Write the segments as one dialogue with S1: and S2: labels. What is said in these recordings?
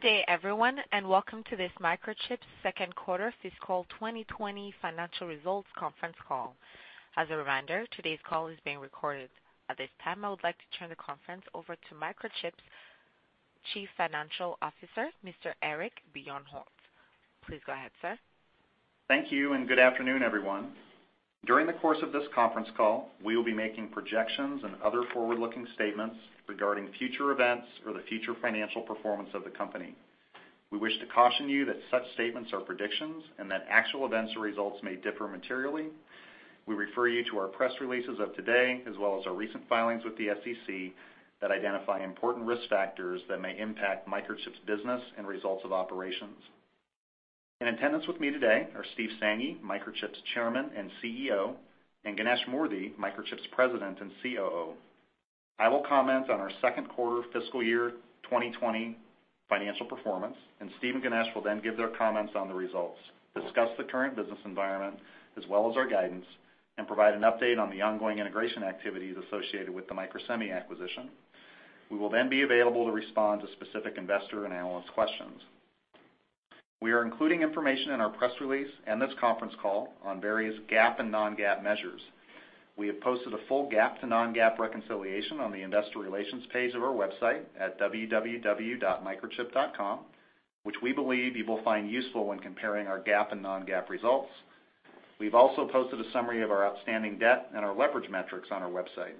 S1: Good day, everyone, welcome to this Microchip second quarter fiscal 2020 financial results conference call. As a reminder, today's call is being recorded. At this time, I would like to turn the conference over to Microchip's Chief Financial Officer, Mr. Eric Bjornholt. Please go ahead, sir.
S2: Thank you. Good afternoon, everyone. During the course of this conference call, we will be making projections and other forward-looking statements regarding future events or the future financial performance of the company. We wish to caution you that such statements are predictions and that actual events or results may differ materially. We refer you to our press releases of today, as well as our recent filings with the SEC that identify important risk factors that may impact Microchip's business and results of operations. In attendance with me today are Steve Sanghi, Microchip's Chairman and CEO, and Ganesh Moorthy, Microchip's President and COO. I will comment on our second quarter fiscal year 2020 financial performance. Steve and Ganesh will then give their comments on the results, discuss the current business environment, as well as our guidance, and provide an update on the ongoing integration activities associated with the Microsemi acquisition. We will then be available to respond to specific investor and analyst questions. We are including information in our press release and this conference call on various GAAP and non-GAAP measures. We have posted a full GAAP to non-GAAP reconciliation on the investor relations page of our website at www.microchip.com, which we believe you will find useful when comparing our GAAP and non-GAAP results. We've also posted a summary of our outstanding debt and our leverage metrics on our website.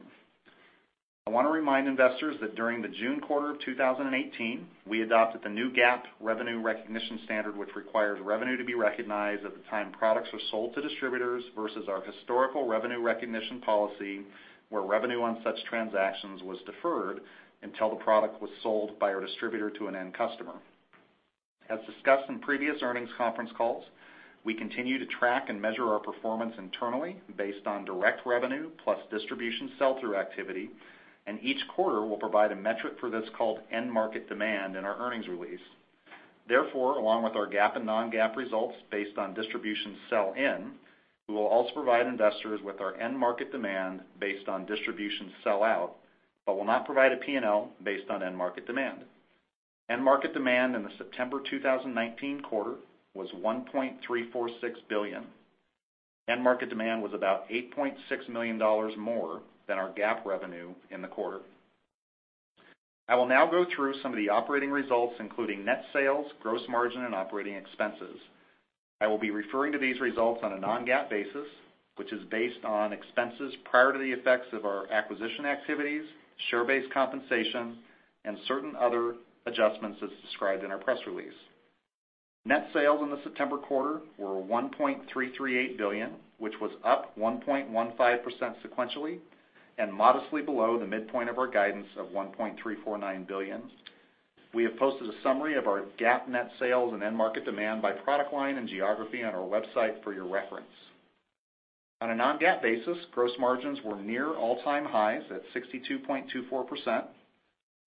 S2: I want to remind investors that during the June quarter of 2018, we adopted the new GAAP revenue recognition standard, which requires revenue to be recognized at the time products are sold to distributors versus our historical revenue recognition policy, where revenue on such transactions was deferred until the product was sold by our distributor to an end customer. As discussed in previous earnings conference calls, we continue to track and measure our performance internally based on direct revenue plus distribution sell-through activity, and each quarter, we'll provide a metric for this called end market demand in our earnings release. Therefore, along with our GAAP and non-GAAP results based on distribution sell-in, we will also provide investors with our end market demand based on distribution sell-out, but will not provide a P&L based on end market demand. End market demand in the September 2019 quarter was $1.346 billion. End market demand was about $8.6 million more than our GAAP revenue in the quarter. I will now go through some of the operating results, including net sales, gross margin, and operating expenses. I will be referring to these results on a non-GAAP basis, which is based on expenses prior to the effects of our acquisition activities, share-based compensation, and certain other adjustments as described in our press release. Net sales in the September quarter were $1.338 billion, which was up 1.15% sequentially and modestly below the midpoint of our guidance of $1.349 billion. We have posted a summary of our GAAP net sales and end market demand by product line and geography on our website for your reference. On a non-GAAP basis, gross margins were near all-time highs at 62.24%.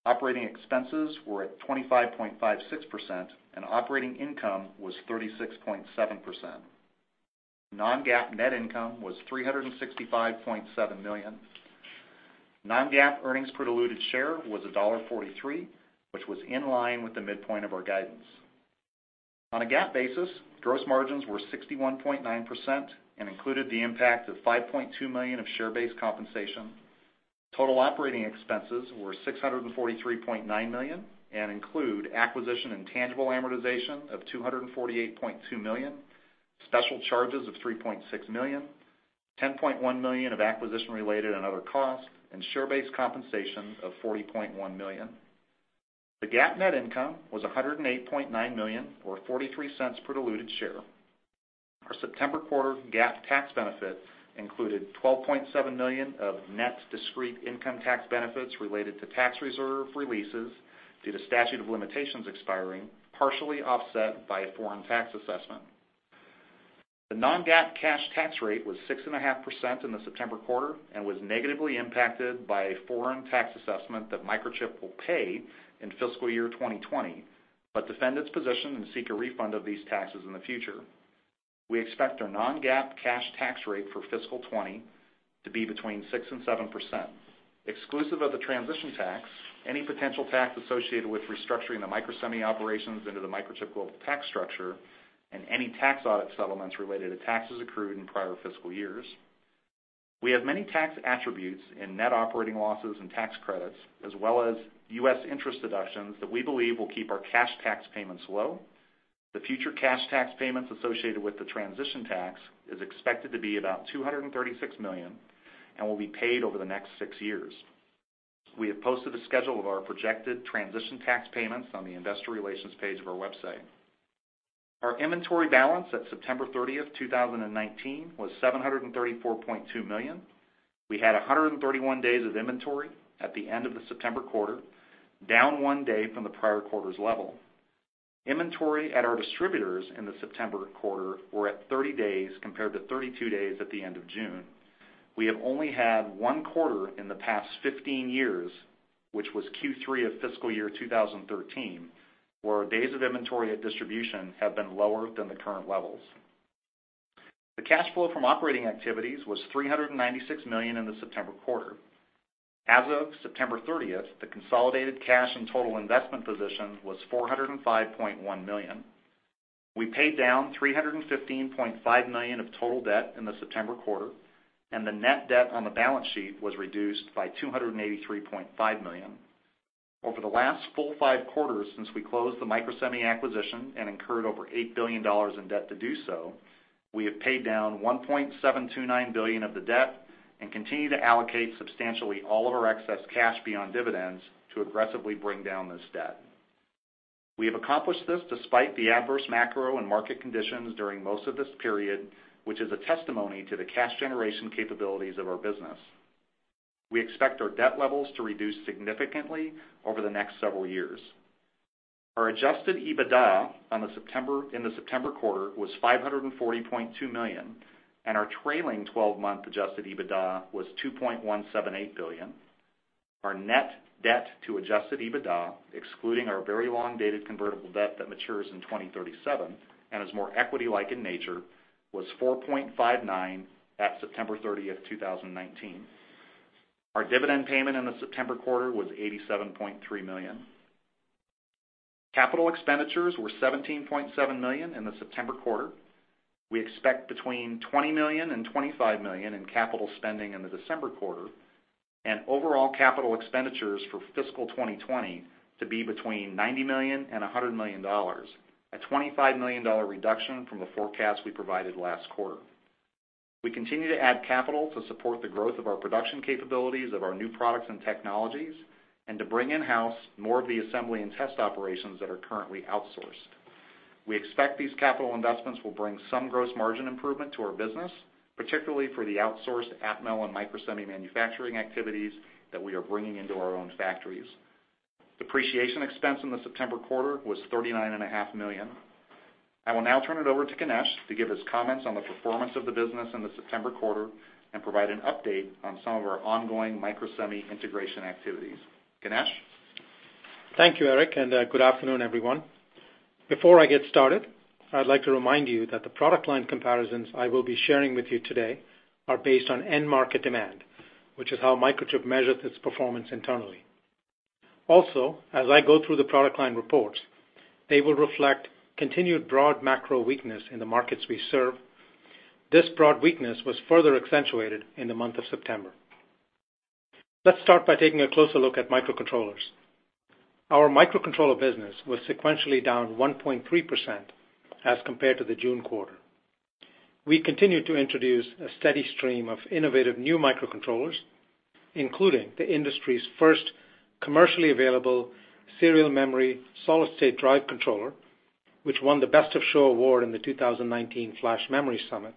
S2: Operating expenses were at 25.56%, and operating income was 36.7%. Non-GAAP net income was $365.7 million. Non-GAAP earnings per diluted share was $1.43, which was in line with the midpoint of our guidance. On a GAAP basis, gross margins were 61.9% and included the impact of $5.2 million of share-based compensation. Total operating expenses were $643.9 million and include acquisition and tangible amortization of $248.2 million, special charges of $3.6 million, $10.1 million of acquisition-related and other costs, and share-based compensation of $40.1 million. The GAAP net income was $108.9 million or $0.43 per diluted share. Our September quarter GAAP tax benefit included $12.7 million of net discrete income tax benefits related to tax reserve releases due to statute of limitations expiring, partially offset by a foreign tax assessment. The non-GAAP cash tax rate was 6.5% in the September quarter and was negatively impacted by a foreign tax assessment that Microchip will pay in fiscal year 2020, but defend its position and seek a refund of these taxes in the future. We expect our non-GAAP cash tax rate for fiscal 2020 to be between 6% and 7%, exclusive of the transition tax, any potential tax associated with restructuring the Microsemi operations into the Microchip global tax structure, and any tax audit settlements related to taxes accrued in prior fiscal years. We have many tax attributes in net operating losses and tax credits, as well as US interest deductions that we believe will keep our cash tax payments low. The future cash tax payments associated with the transition tax is expected to be about $236 million and will be paid over the next six years. We have posted a schedule of our projected transition tax payments on the investor relations page of our website. Our inventory balance at September 30th, 2019 was $734.2 million. We had 131 days of inventory at the end of the September quarter, down one day from the prior quarter's level. Inventory at our distributors in the September quarter were at 30 days compared to 32 days at the end of June. We have only had one quarter in the past 15 years, which was Q3 of fiscal year 2013, where days of inventory at distribution have been lower than the current levels. The cash flow from operating activities was $396 million in the September quarter. As of September 30th, the consolidated cash and total investment position was $405.1 million. We paid down $315.5 million of total debt in the September quarter, and the net debt on the balance sheet was reduced by $283.5 million. Over the last full five quarters since we closed the Microsemi acquisition and incurred over $8 billion in debt to do so, we have paid down $1.729 billion of the debt and continue to allocate substantially all of our excess cash beyond dividends to aggressively bring down this debt. We have accomplished this despite the adverse macro and market conditions during most of this period, which is a testimony to the cash generation capabilities of our business. We expect our debt levels to reduce significantly over the next several years. Our adjusted EBITDA in the September quarter was $540.2 million, and our trailing 12-month adjusted EBITDA was $2.178 billion. Our net debt to adjusted EBITDA, excluding our very long-dated convertible debt that matures in 2037 and is more equity-like in nature, was 4.59 at September 30, 2019. Our dividend payment in the September quarter was $87.3 million. Capital expenditures were $17.7 million in the September quarter. We expect between $20 million and $25 million in capital spending in the December quarter, and overall capital expenditures for fiscal 2020 to be between $90 million and $100 million, a $25 million reduction from the forecast we provided last quarter. We continue to add capital to support the growth of our production capabilities of our new products and technologies, and to bring in-house more of the assembly and test operations that are currently outsourced. We expect these capital investments will bring some gross margin improvement to our business, particularly for the outsourced Atmel and Microsemi manufacturing activities that we are bringing into our own factories. Depreciation expense in the September quarter was $39.5 million. I will now turn it over to Ganesh to give his comments on the performance of the business in the September quarter and provide an update on some of our ongoing Microsemi integration activities. Ganesh?
S3: Thank you, Eric, good afternoon, everyone. Before I get started, I'd like to remind you that the product line comparisons I will be sharing with you today are based on end market demand, which is how Microchip measures its performance internally. As I go through the product line reports, they will reflect continued broad macro weakness in the markets we serve. This broad weakness was further accentuated in the month of September. Let's start by taking a closer look at microcontrollers. Our microcontroller business was sequentially down 1.3% as compared to the June quarter. We continued to introduce a steady stream of innovative new microcontrollers, including the industry's first commercially available serial memory solid-state drive controller, which won the Best of Show award in the 2019 Flash Memory Summit,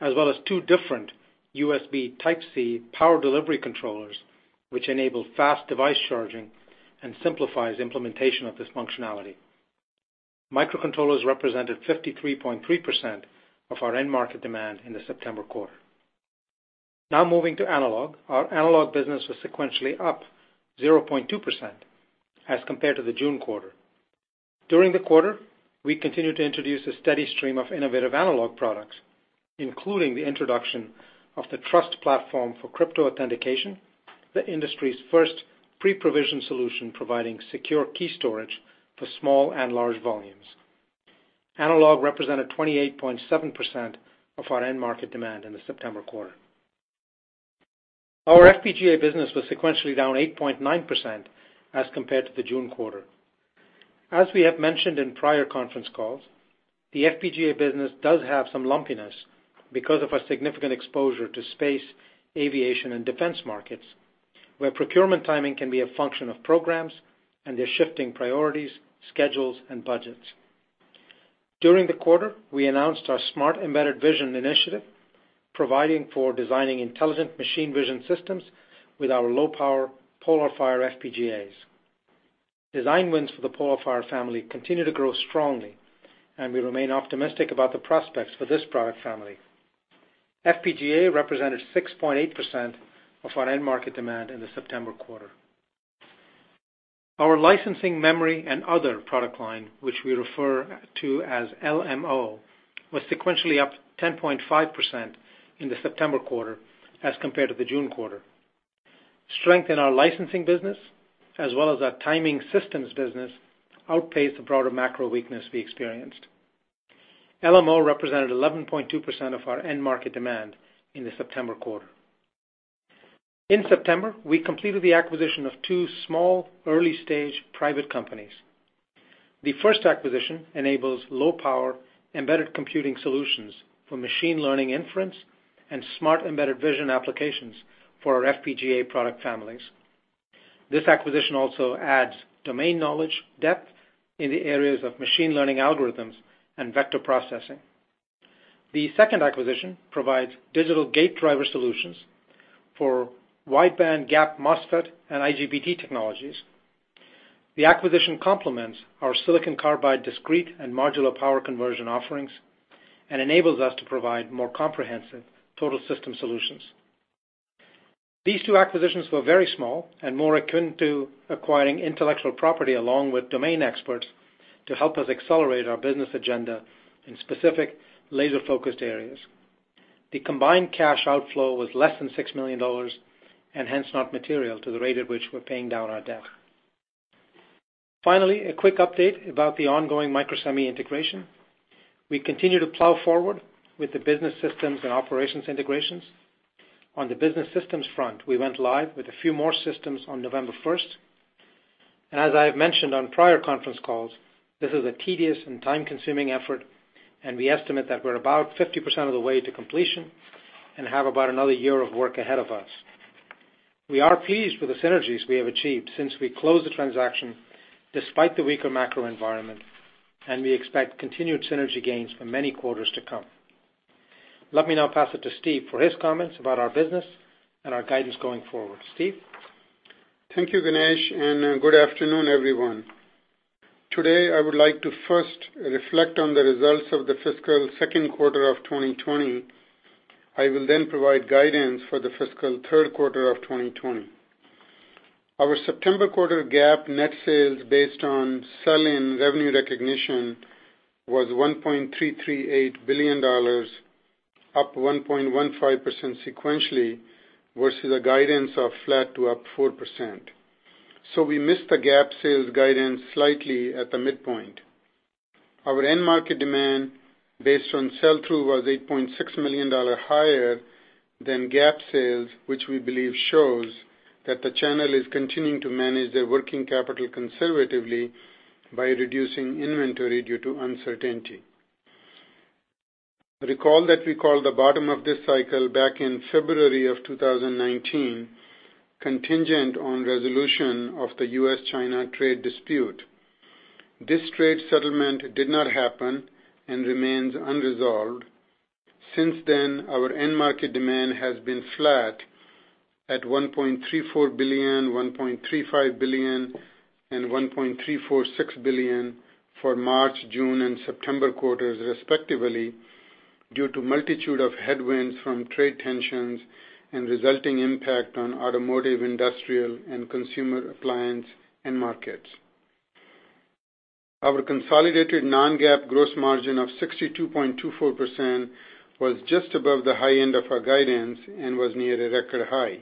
S3: as well as two different USB Type-C power delivery controllers, which enable fast device charging and simplifies implementation of this functionality. Microcontrollers represented 53.3% of our end market demand in the September quarter. Now moving to analog. Our analog business was sequentially up 0.2% as compared to the June quarter. During the quarter, we continued to introduce a steady stream of innovative analog products, including the introduction of the Trust Platform for CryptoAuthentication, the industry's first pre-provision solution providing secure key storage for small and large volumes. Analog represented 28.7% of our end market demand in the September quarter. Our FPGA business was sequentially down 8.9% as compared to the June quarter. As we have mentioned in prior conference calls, the FPGA business does have some lumpiness because of a significant exposure to space, aviation, and defense markets, where procurement timing can be a function of programs and their shifting priorities, schedules, and budgets. During the quarter, we announced our Smart Embedded Vision initiative, providing for designing intelligent machine vision systems with our low power PolarFire FPGAs. Design wins for the PolarFire family continue to grow strongly, and we remain optimistic about the prospects for this product family. FPGA represented 6.8% of our end market demand in the September quarter. Our licensing memory and other product line, which we refer to as LMO, was sequentially up 10.5% in the September quarter as compared to the June quarter. Strength in our licensing business, as well as our timing systems business, outpaced the broader macro weakness we experienced. LMO represented 11.2% of our end market demand in the September quarter. In September, we completed the acquisition of two small, early-stage private companies. The first acquisition enables low-power embedded computing solutions for machine learning inference and Smart Embedded Vision applications for our FPGA product families. This acquisition also adds domain knowledge depth in the areas of machine learning algorithms and vector processing. The second acquisition provides digital gate driver solutions for wide bandgap MOSFET and IGBT technologies. The acquisition complements our silicon carbide discrete and modular power conversion offerings and enables us to provide more comprehensive total system solutions. These two acquisitions were very small and more akin to acquiring intellectual property along with domain experts to help us accelerate our business agenda in specific laser-focused areas. The combined cash outflow was less than $6 million, and hence not material to the rate at which we're paying down our debt. Finally, a quick update about the ongoing Microsemi integration. We continue to plow forward with the business systems and operations integrations. On the business systems front, we went live with a few more systems on November 1st. As I have mentioned on prior conference calls, this is a tedious and time-consuming effort, and we estimate that we're about 50% of the way to completion, and have about another year of work ahead of us. We are pleased with the synergies we have achieved since we closed the transaction, despite the weaker macro environment. We expect continued synergy gains for many quarters to come. Let me now pass it to Steve for his comments about our business and our guidance going forward. Steve?
S4: Thank you, Ganesh, and good afternoon, everyone. Today, I would like to first reflect on the results of the fiscal second quarter of 2020. I will provide guidance for the fiscal third quarter of 2020. Our September quarter GAAP net sales based on sell-in revenue recognition was $1.338 billion, up 1.15% sequentially versus a guidance of flat to up 4%. We missed the GAAP sales guidance slightly at the midpoint. Our end market demand based on sell-through was $8.6 million higher than GAAP sales, which we believe shows that the channel is continuing to manage their working capital conservatively by reducing inventory due to uncertainty. Recall that we called the bottom of this cycle back in February of 2019, contingent on resolution of the U.S.-China trade dispute. This trade settlement did not happen and remains unresolved. Since then, our end market demand has been flat at $1.34 billion, $1.35 billion, and $1.346 billion for March, June, and September quarters respectively, due to multitude of headwinds from trade tensions and resulting impact on automotive, industrial, and consumer appliance end markets. Our consolidated non-GAAP gross margin of 62.24% was just above the high end of our guidance and was near a record high.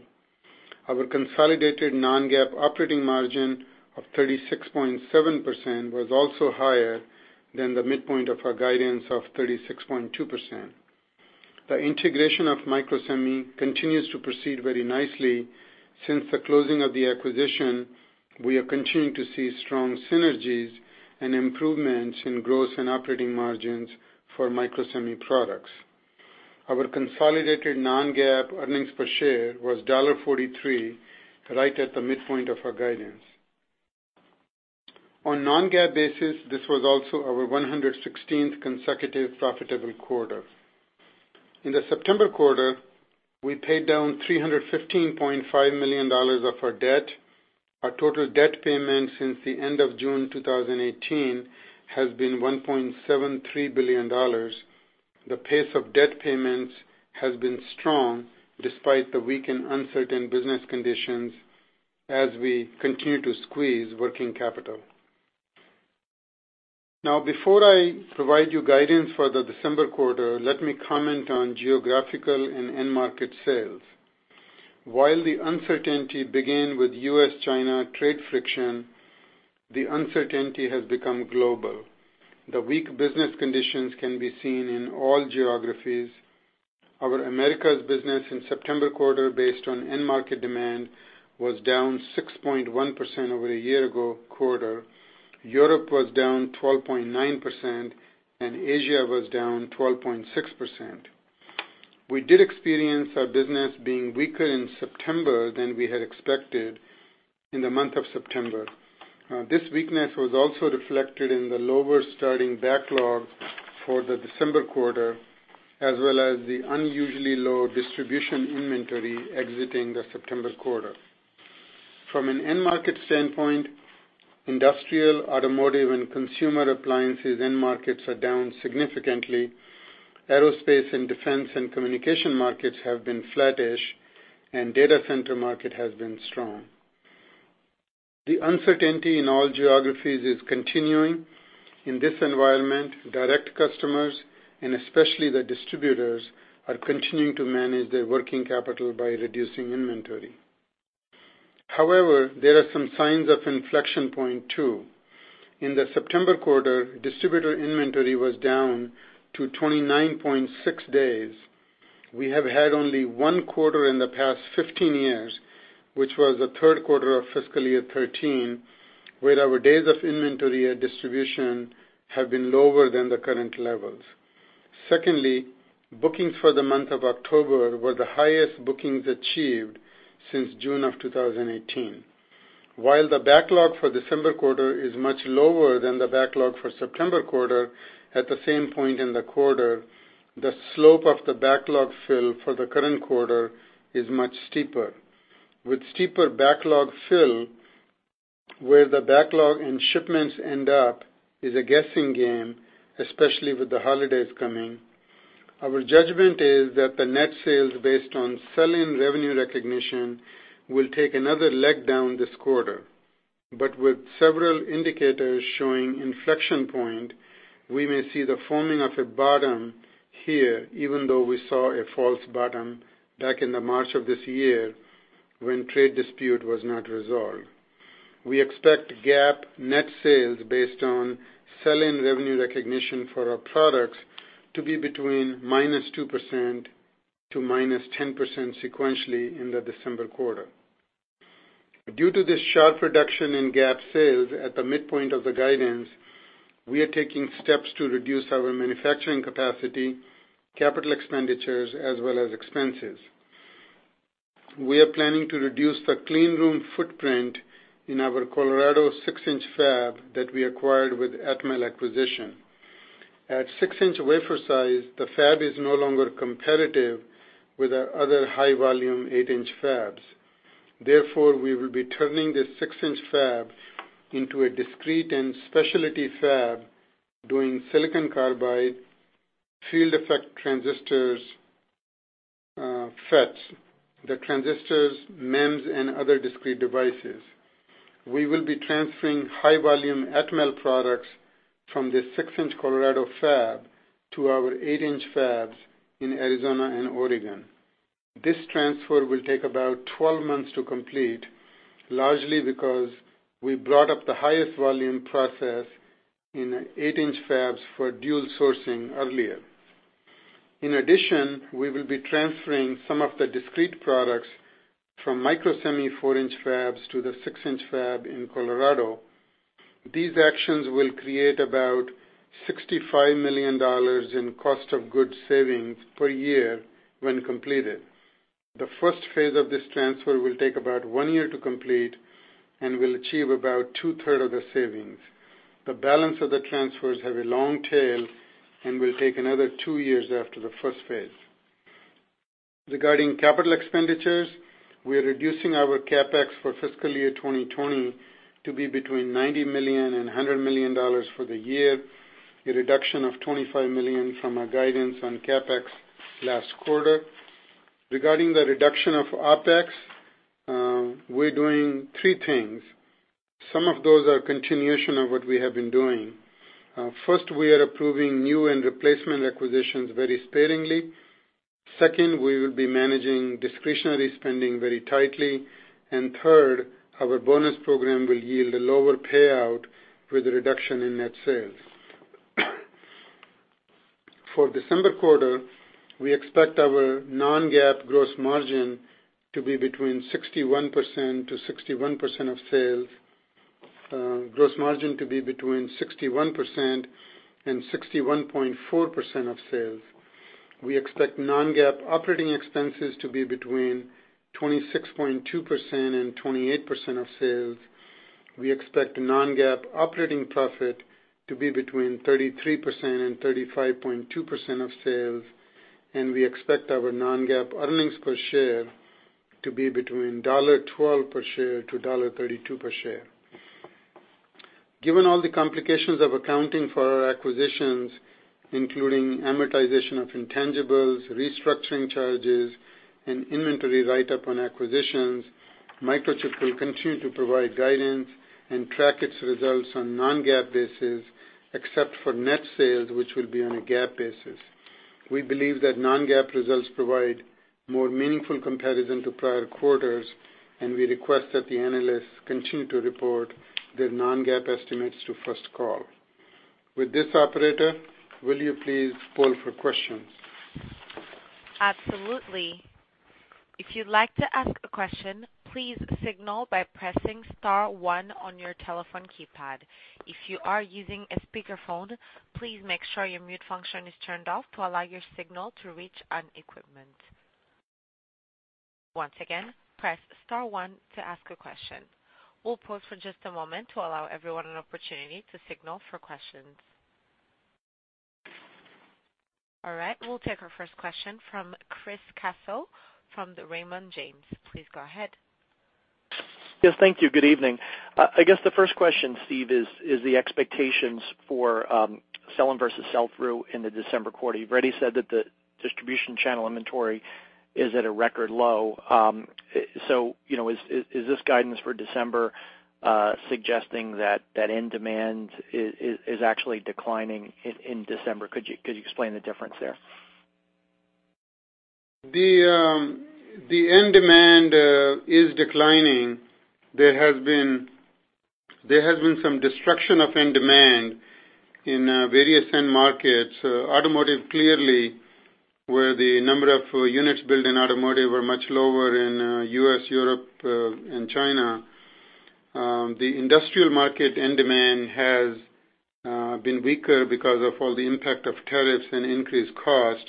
S4: Our consolidated non-GAAP operating margin of 36.7% was also higher than the midpoint of our guidance of 36.2%. The integration of Microsemi continues to proceed very nicely. Since the closing of the acquisition, we are continuing to see strong synergies and improvements in gross and operating margins for Microsemi products. Our consolidated non-GAAP earnings per share was $1.43, right at the midpoint of our guidance. On non-GAAP basis, this was also our 116th consecutive profitable quarter. In the September quarter, we paid down $315.5 million of our debt. Our total debt payment since the end of June 2018 has been $1.73 billion. The pace of debt payments has been strong despite the weak and uncertain business conditions as we continue to squeeze working capital. Before I provide you guidance for the December quarter, let me comment on geographical and end market sales. While the uncertainty began with U.S.-China trade friction, the uncertainty has become global. The weak business conditions can be seen in all geographies. Our Americas business in September quarter based on end market demand was down 6.1% over a year ago quarter, Europe was down 12.9%, and Asia was down 12.6%. We did experience our business being weaker in September than we had expected in the month of September. This weakness was also reflected in the lower starting backlog for the December quarter, as well as the unusually low distribution inventory exiting the September quarter. From an end market standpoint, industrial, automotive, and consumer appliances end markets are down significantly. Aerospace and Defense and communication markets have been flattish, and Data Center market has been strong. The uncertainty in all geographies is continuing. In this environment, direct customers, and especially the distributors, are continuing to manage their working capital by reducing inventory. However, there are some signs of inflection point, too. In the September quarter, distributor inventory was down to 29.6 days. We have had only one quarter in the past 15 years, which was the third quarter of fiscal year 2013, where our days of inventory and distribution have been lower than the current levels. Secondly, bookings for the month of October were the highest bookings achieved since June of 2018. While the backlog for December quarter is much lower than the backlog for September quarter at the same point in the quarter, the slope of the backlog fill for the current quarter is much steeper. With steeper backlog fill. Where the backlog and shipments end up is a guessing game, especially with the holidays coming. Our judgment is that the net sales based on sell-in revenue recognition will take another leg down this quarter. With several indicators showing inflection point, we may see the forming of a bottom here, even though we saw a false bottom back in the March of this year when trade dispute was not resolved. We expect GAAP net sales based on sell-in revenue recognition for our products to be between -2% to -10% sequentially in the December quarter. Due to this sharp reduction in GAAP sales at the midpoint of the guidance, we are taking steps to reduce our manufacturing capacity, capital expenditures, as well as expenses. We are planning to reduce the clean room footprint in our Colorado six-inch fab that we acquired with Atmel acquisition. At six-inch wafer size, the fab is no longer competitive with our other high-volume eight-inch fabs. Therefore, we will be turning this six-inch fab into a discrete and specialty fab, doing silicon carbide, field effect transistors, FETs, the transistors, MEMS, and other discrete devices. We will be transferring high volume Atmel products from the six-inch Colorado fab to our eight-inch fabs in Arizona and Oregon. This transfer will take about 12 months to complete, largely because we brought up the highest volume process in eight-inch fabs for dual sourcing earlier. We will be transferring some of the discrete products from Microsemi four-inch fabs to the six-inch fab in Colorado. These actions will create about $65 million in cost of goods savings per year when completed. The first phase of this transfer will take about one year to complete and will achieve about two-third of the savings. The balance of the transfers have a long tail and will take another two years after the first phase. Regarding capital expenditures, we're reducing our CapEx for fiscal year 2020 to be between $90 million and $100 million for the year, a reduction of $25 million from our guidance on CapEx last quarter. Regarding the reduction of OpEx, we're doing three things. Some of those are continuation of what we have been doing. First, we are approving new and replacement acquisitions very sparingly. Second, we will be managing discretionary spending very tightly. Third, our bonus program will yield a lower payout with a reduction in net sales. For December quarter, we expect our non-GAAP gross margin to be between 61% and 61.4% of sales. We expect non-GAAP operating expenses to be between 26.2% and 28% of sales. We expect non-GAAP operating profit to be between 33% and 35.2% of sales, and we expect our non-GAAP earnings per share to be between $1.12 per share-$1.32 per share. Given all the complications of accounting for our acquisitions, including amortization of intangibles, restructuring charges, and inventory write-up on acquisitions, Microchip will continue to provide guidance and track its results on non-GAAP basis, except for net sales, which will be on a GAAP basis. We believe that non-GAAP results provide more meaningful comparison to prior quarters, and we request that the analysts continue to report their non-GAAP estimates to First Call. With this, operator, will you please poll for questions?
S1: Absolutely. If you'd like to ask a question, please signal by pressing *1 on your telephone keypad. If you are using a speakerphone, please make sure your mute function is turned off to allow your signal to reach our equipment. Once again, press *1 to ask a question. We'll pause for just a moment to allow everyone an opportunity to signal for questions. All right, we'll take our first question from Chris Caso from the Raymond James. Please go ahead.
S5: Yes, thank you. Good evening. I guess the first question, Steve, is the expectations for sell-in versus sell-through in the December quarter. You've already said that the distribution channel inventory is at a record low. Is this guidance for December suggesting that end demand is actually declining in December? Could you explain the difference there?
S4: The end demand is declining. There has been some destruction of end demand in various end markets. Automotive, clearly, where the number of units built in automotive were much lower in U.S., Europe, and China. The industrial market end demand has been weaker because of all the impact of tariffs and increased cost,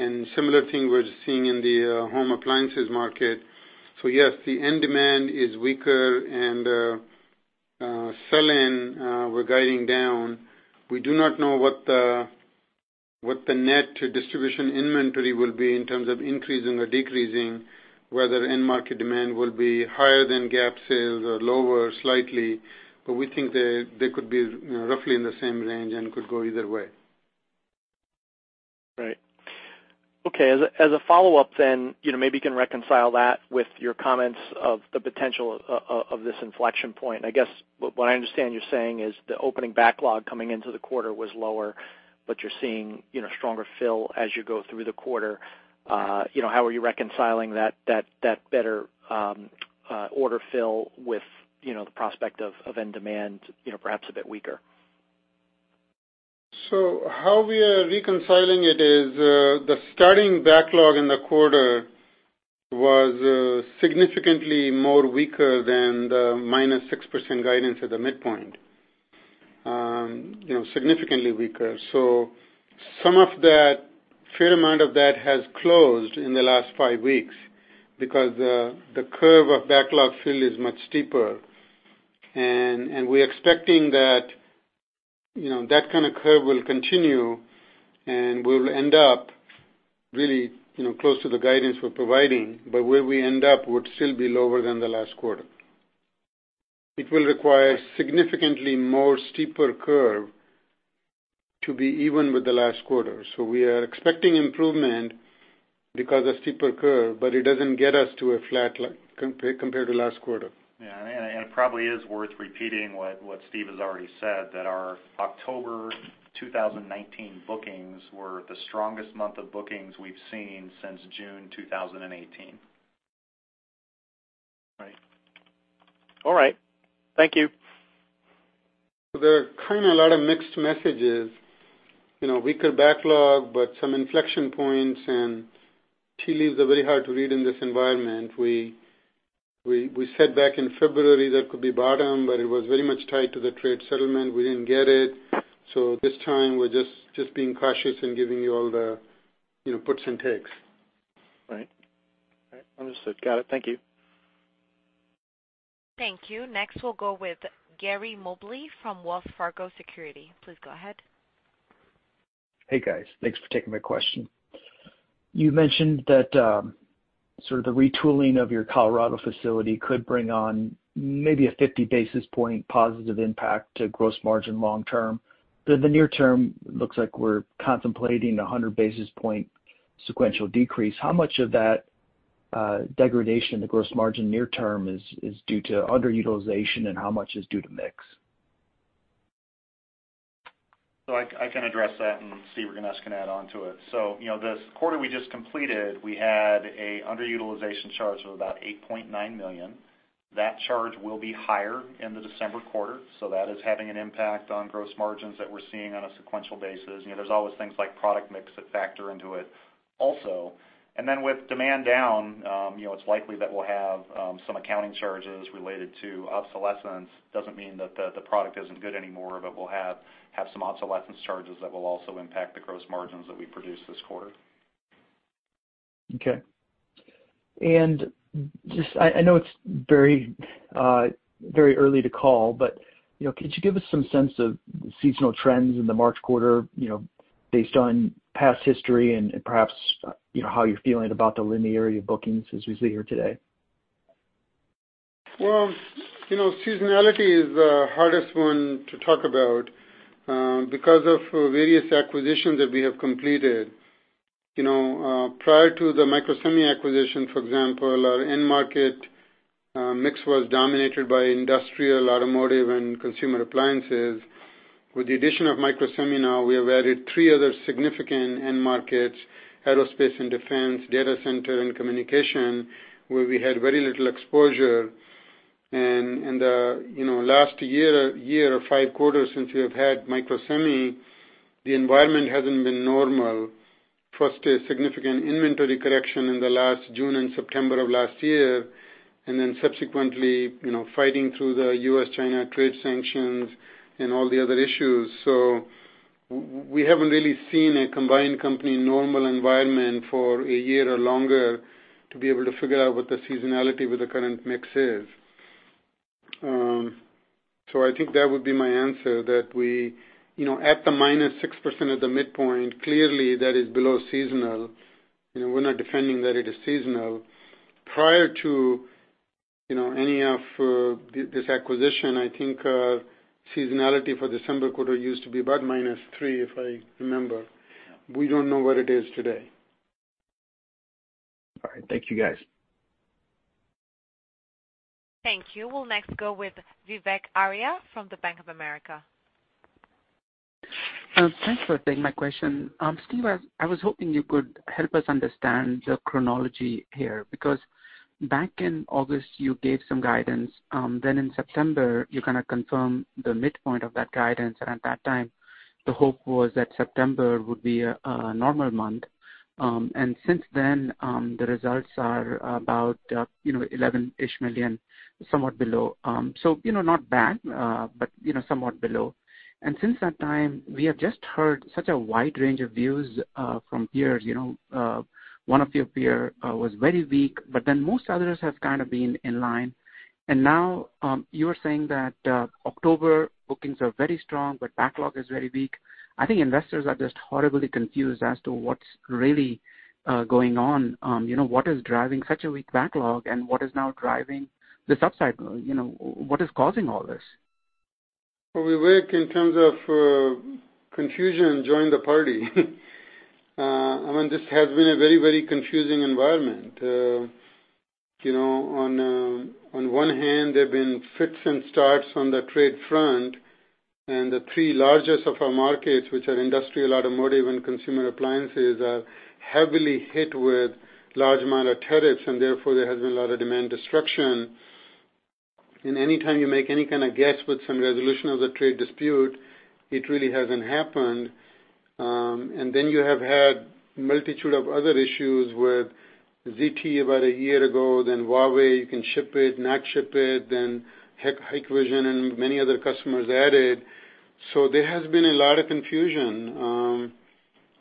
S4: and similar thing we're seeing in the home appliances market. Yes, the end demand is weaker and sell-in, we're guiding down. We do not know what the net distribution inventory will be in terms of increasing or decreasing, whether end market demand will be higher than GAAP sales or lower slightly. We think they could be roughly in the same range and could go either way.
S5: Right. Okay. As a follow-up, maybe you can reconcile that with your comments of the potential of this inflection point. I guess what I understand you're saying is the opening backlog coming into the quarter was lower, but you're seeing stronger fill as you go through the quarter. How are you reconciling that better order fill with the prospect of end demand perhaps a bit weaker?
S4: How we are reconciling it is, the starting backlog in the quarter was significantly weaker than the -6% guidance at the midpoint. Significantly weaker. Some of that, fair amount of that has closed in the last five weeks because the curve of backlog fill is much steeper. We're expecting that kind of curve will continue, and we'll end up really close to the guidance we're providing. Where we end up would still be lower than the last quarter. It will require significantly steeper curve to be even with the last quarter. We are expecting improvement because of steeper curve, but it doesn't get us to a flat line compared to last quarter.
S2: Yeah, and it probably is worth repeating what Steve has already said, that our October 2019 bookings were the strongest month of bookings we've seen since June 2018.
S5: Right. All right. Thank you.
S4: There are kind of a lot of mixed messages. Weaker backlog. Some inflection points and tea leaves are very hard to read in this environment. We said back in February that could be bottom, but it was very much tied to the trade settlement. We didn't get it. This time, we're just being cautious and giving you all the puts and takes.
S5: Right. Understood. Got it. Thank you.
S1: Thank you. Next, we'll go with Gary Mobley from Wells Fargo Securities. Please go ahead.
S6: Hey, guys. Thanks for taking my question. You mentioned that sort of the retooling of your Colorado facility could bring on maybe a 50 basis point positive impact to gross margin long term. In the near term, looks like we're contemplating a 100 basis point sequential decrease. How much of that degradation in the gross margin near term is due to underutilization, and how much is due to mix?
S2: I can address that, and Steve Sanghi can add onto it. This quarter we just completed, we had a underutilization charge of about $8.9 million. That charge will be higher in the December quarter, so that is having an impact on gross margins that we're seeing on a sequential basis. There's always things like product mix that factor into it also. With demand down, it's likely that we'll have some accounting charges related to obsolescence. Doesn't mean that the product isn't good anymore, but we'll have some obsolescence charges that will also impact the gross margins that we produce this quarter.
S6: Okay. Just, I know it's very early to call, but could you give us some sense of seasonal trends in the March quarter, based on past history and perhaps how you're feeling about the linearity of bookings as we sit here today?
S4: Well, seasonality is the hardest one to talk about because of various acquisitions that we have completed. Prior to the Microsemi acquisition, for example, our end market mix was dominated by industrial, automotive, and consumer appliances. With the addition of Microsemi now, we have added three other significant end markets, aerospace and defense, data center and communication, where we had very little exposure. The last year or five quarters since we have had Microsemi, the environment hasn't been normal. First, a significant inventory correction in the last June and September of last year, and then subsequently, fighting through the U.S.-China trade sanctions and all the other issues. We haven't really seen a combined company normal environment for a year or longer to be able to figure out what the seasonality with the current mix is. I think that would be my answer, that we at the minus 6% of the midpoint, clearly that is below seasonal. We're not defending that it is seasonal. Prior to any of this acquisition, I think seasonality for December quarter used to be about minus three, if I remember.
S2: Yeah.
S4: We don't know what it is today.
S6: All right. Thank you, guys.
S1: Thank you. We'll next go with Vivek Arya from the Bank of America.
S7: Thanks for taking my question. Steve, I was hoping you could help us understand the chronology here. Back in August, you gave some guidance. In September, you kind of confirmed the midpoint of that guidance. At that time, the hope was that September would be a normal month. Since then, the results are about $11 million, somewhat below. Not bad, somewhat below. Since that time, we have just heard such a wide range of views from peers. One of your peer was very weak, most others have kind of been in line. Now, you're saying that October bookings are very strong, backlog is very weak. I think investors are just horribly confused as to what's really going on. What is driving such a weak backlog, what is now driving the subside? What is causing all this?
S4: Well, Vivek, in terms of confusion, join the party. This has been a very, very confusing environment. On one hand, there have been fits and starts on the trade front, and the three largest of our markets, which are industrial, automotive, and consumer appliances, are heavily hit with large amount of tariffs, and therefore there has been a lot of demand destruction. Anytime you make any kind of guess with some resolution of the trade dispute, it really hasn't happened. Then you have had multitude of other issues with ZTE about a year ago, then Huawei, you can ship it, not ship it, then Hikvision and many other customers added. There has been a lot of confusion.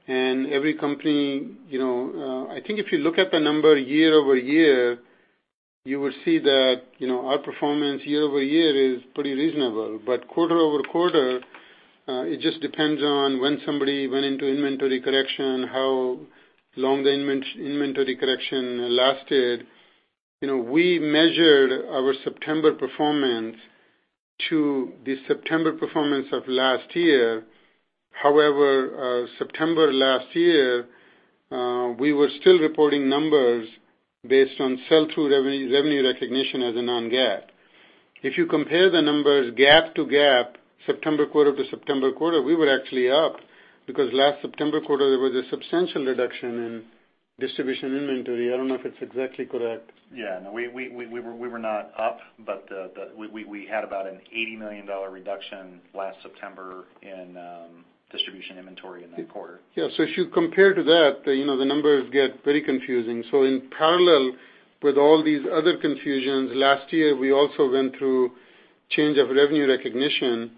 S4: I think if you look at the number year-over-year, you will see that our performance year-over-year is pretty reasonable. Quarter-over-quarter, it just depends on when somebody went into inventory correction, how long the inventory correction lasted. We measured our September performance to the September performance of last year. September last year, we were still reporting numbers based on sell-through revenue recognition as a non-GAAP. If you compare the numbers GAAP to GAAP, September quarter to September quarter, we were actually up, because last September quarter, there was a substantial reduction in distribution inventory. I don't know if it's exactly correct.
S2: Yeah, no, we were not up, but we had about an $80 million reduction last September in distribution inventory in that quarter.
S4: If you compare to that, the numbers get very confusing. In parallel with all these other confusions, last year, we also went through change of revenue recognition.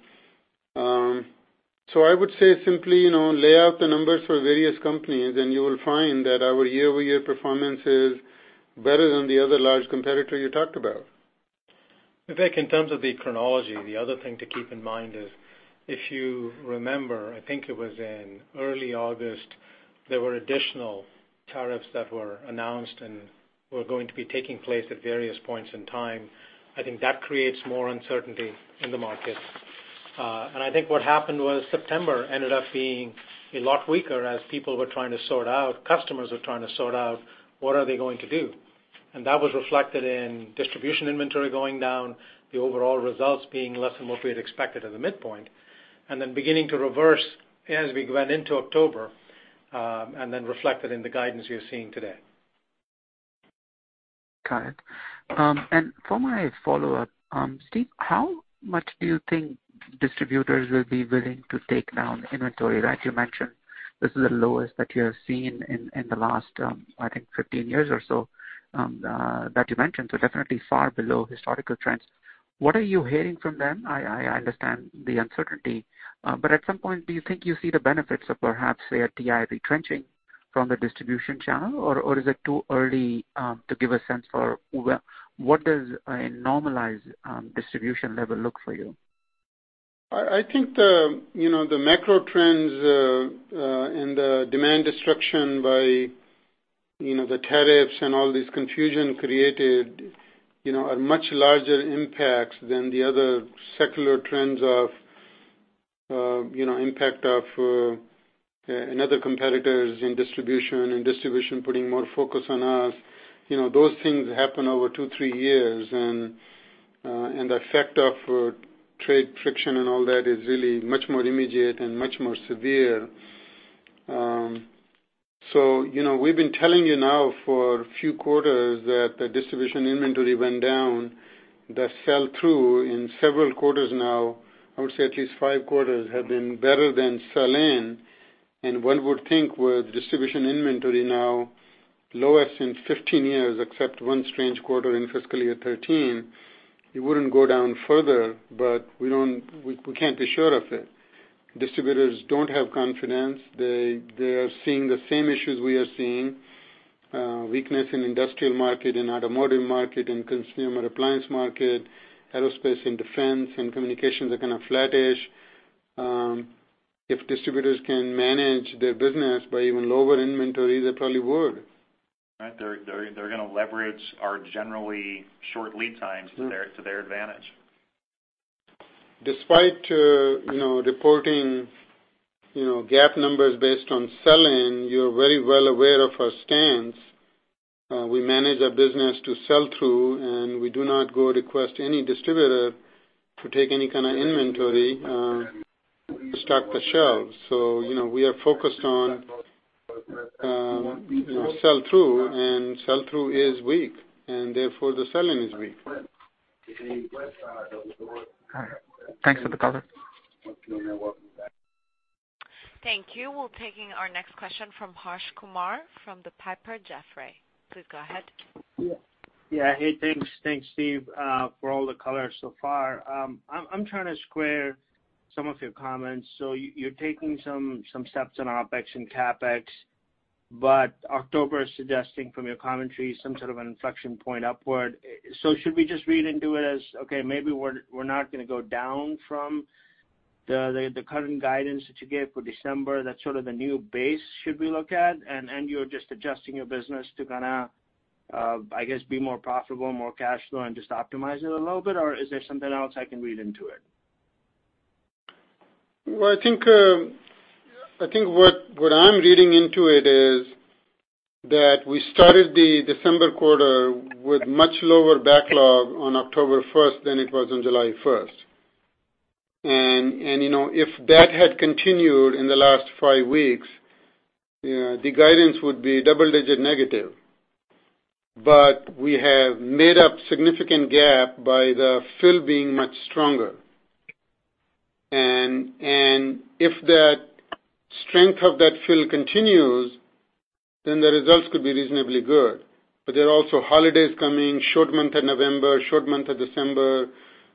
S4: I would say simply, lay out the numbers for various companies, and you will find that our year-over-year performance is better than the other large competitor you talked about.
S3: Vivek, in terms of the chronology, the other thing to keep in mind is, if you remember, I think it was in early August, there were additional tariffs that were announced and were going to be taking place at various points in time. I think that creates more uncertainty in the market. I think what happened was September ended up being a lot weaker as people were trying to sort out, customers were trying to sort out what are they going to do. That was reflected in distribution inventory going down, the overall results being less than what we had expected at the midpoint, and then beginning to reverse as we went into October, and then reflected in the guidance you're seeing today.
S7: Got it. For my follow-up, Steve, how much do you think distributors will be willing to take down inventory? Like you mentioned, this is the lowest that you have seen in the last, I think, 15 years or so, that you mentioned, so definitely far below historical trends. What are you hearing from them? I understand the uncertainty, but at some point, do you think you see the benefits of perhaps, say, a de-inventorying trend from the distribution channel, or is it too early to give a sense for what does a normalized distribution level look for you?
S4: I think the macro trends and the demand destruction by the tariffs and all this confusion created a much larger impact than the other secular trends of impact of another competitor is in distribution and distribution putting more focus on us. The effect of trade friction and all that is really much more immediate and much more severe. We've been telling you now for a few quarters that the distribution inventory went down, that sell-through in several quarters now, I would say at least five quarters, have been better than sell-in. One would think with distribution inventory now lowest in 15 years, except one strange quarter in fiscal year 2013, it wouldn't go down further, we can't be sure of it. Distributors don't have confidence. They are seeing the same issues we are seeing, weakness in industrial market and automotive market and consumer appliance market, aerospace and defense and communications are kind of flattish. If distributors can manage their business by even lower inventories, they probably would.
S2: Right. They're going to leverage our generally short lead times to their advantage.
S4: Despite reporting GAAP numbers based on sell-in, you're very well aware of our stance. We manage our business to sell-through, and we do not go request any distributor to take any kind of inventory to stock the shelves. We are focused on sell-through, and sell-through is weak, and therefore the sell-in is weak.
S7: All right. Thanks for the color.
S1: Thank you. We're taking our next question from Harsh Kumar from the Piper Jaffray. Please go ahead.
S8: Yeah. Hey, thanks Steve, for all the color so far. I'm trying to square some of your comments. You're taking some steps on OpEx and CapEx, but October is suggesting from your commentary, some sort of an inflection point upward. Should we just read into it as, okay, maybe we're not going to go down from the current guidance that you gave for December, that's sort of the new base, should we look at? You're just adjusting your business to I guess, be more profitable, more cash flow, and just optimize it a little bit or is there something else I can read into it?
S4: Well, I think what I'm reading into it is that we started the December quarter with much lower backlog on October 1 than it was on July 1. If that had continued in the last five weeks, the guidance would be double-digit negative. We have made up significant gap by the fill being much stronger. If the strength of that fill continues, then the results could be reasonably good. There are also holidays coming, short month of November, short month of December.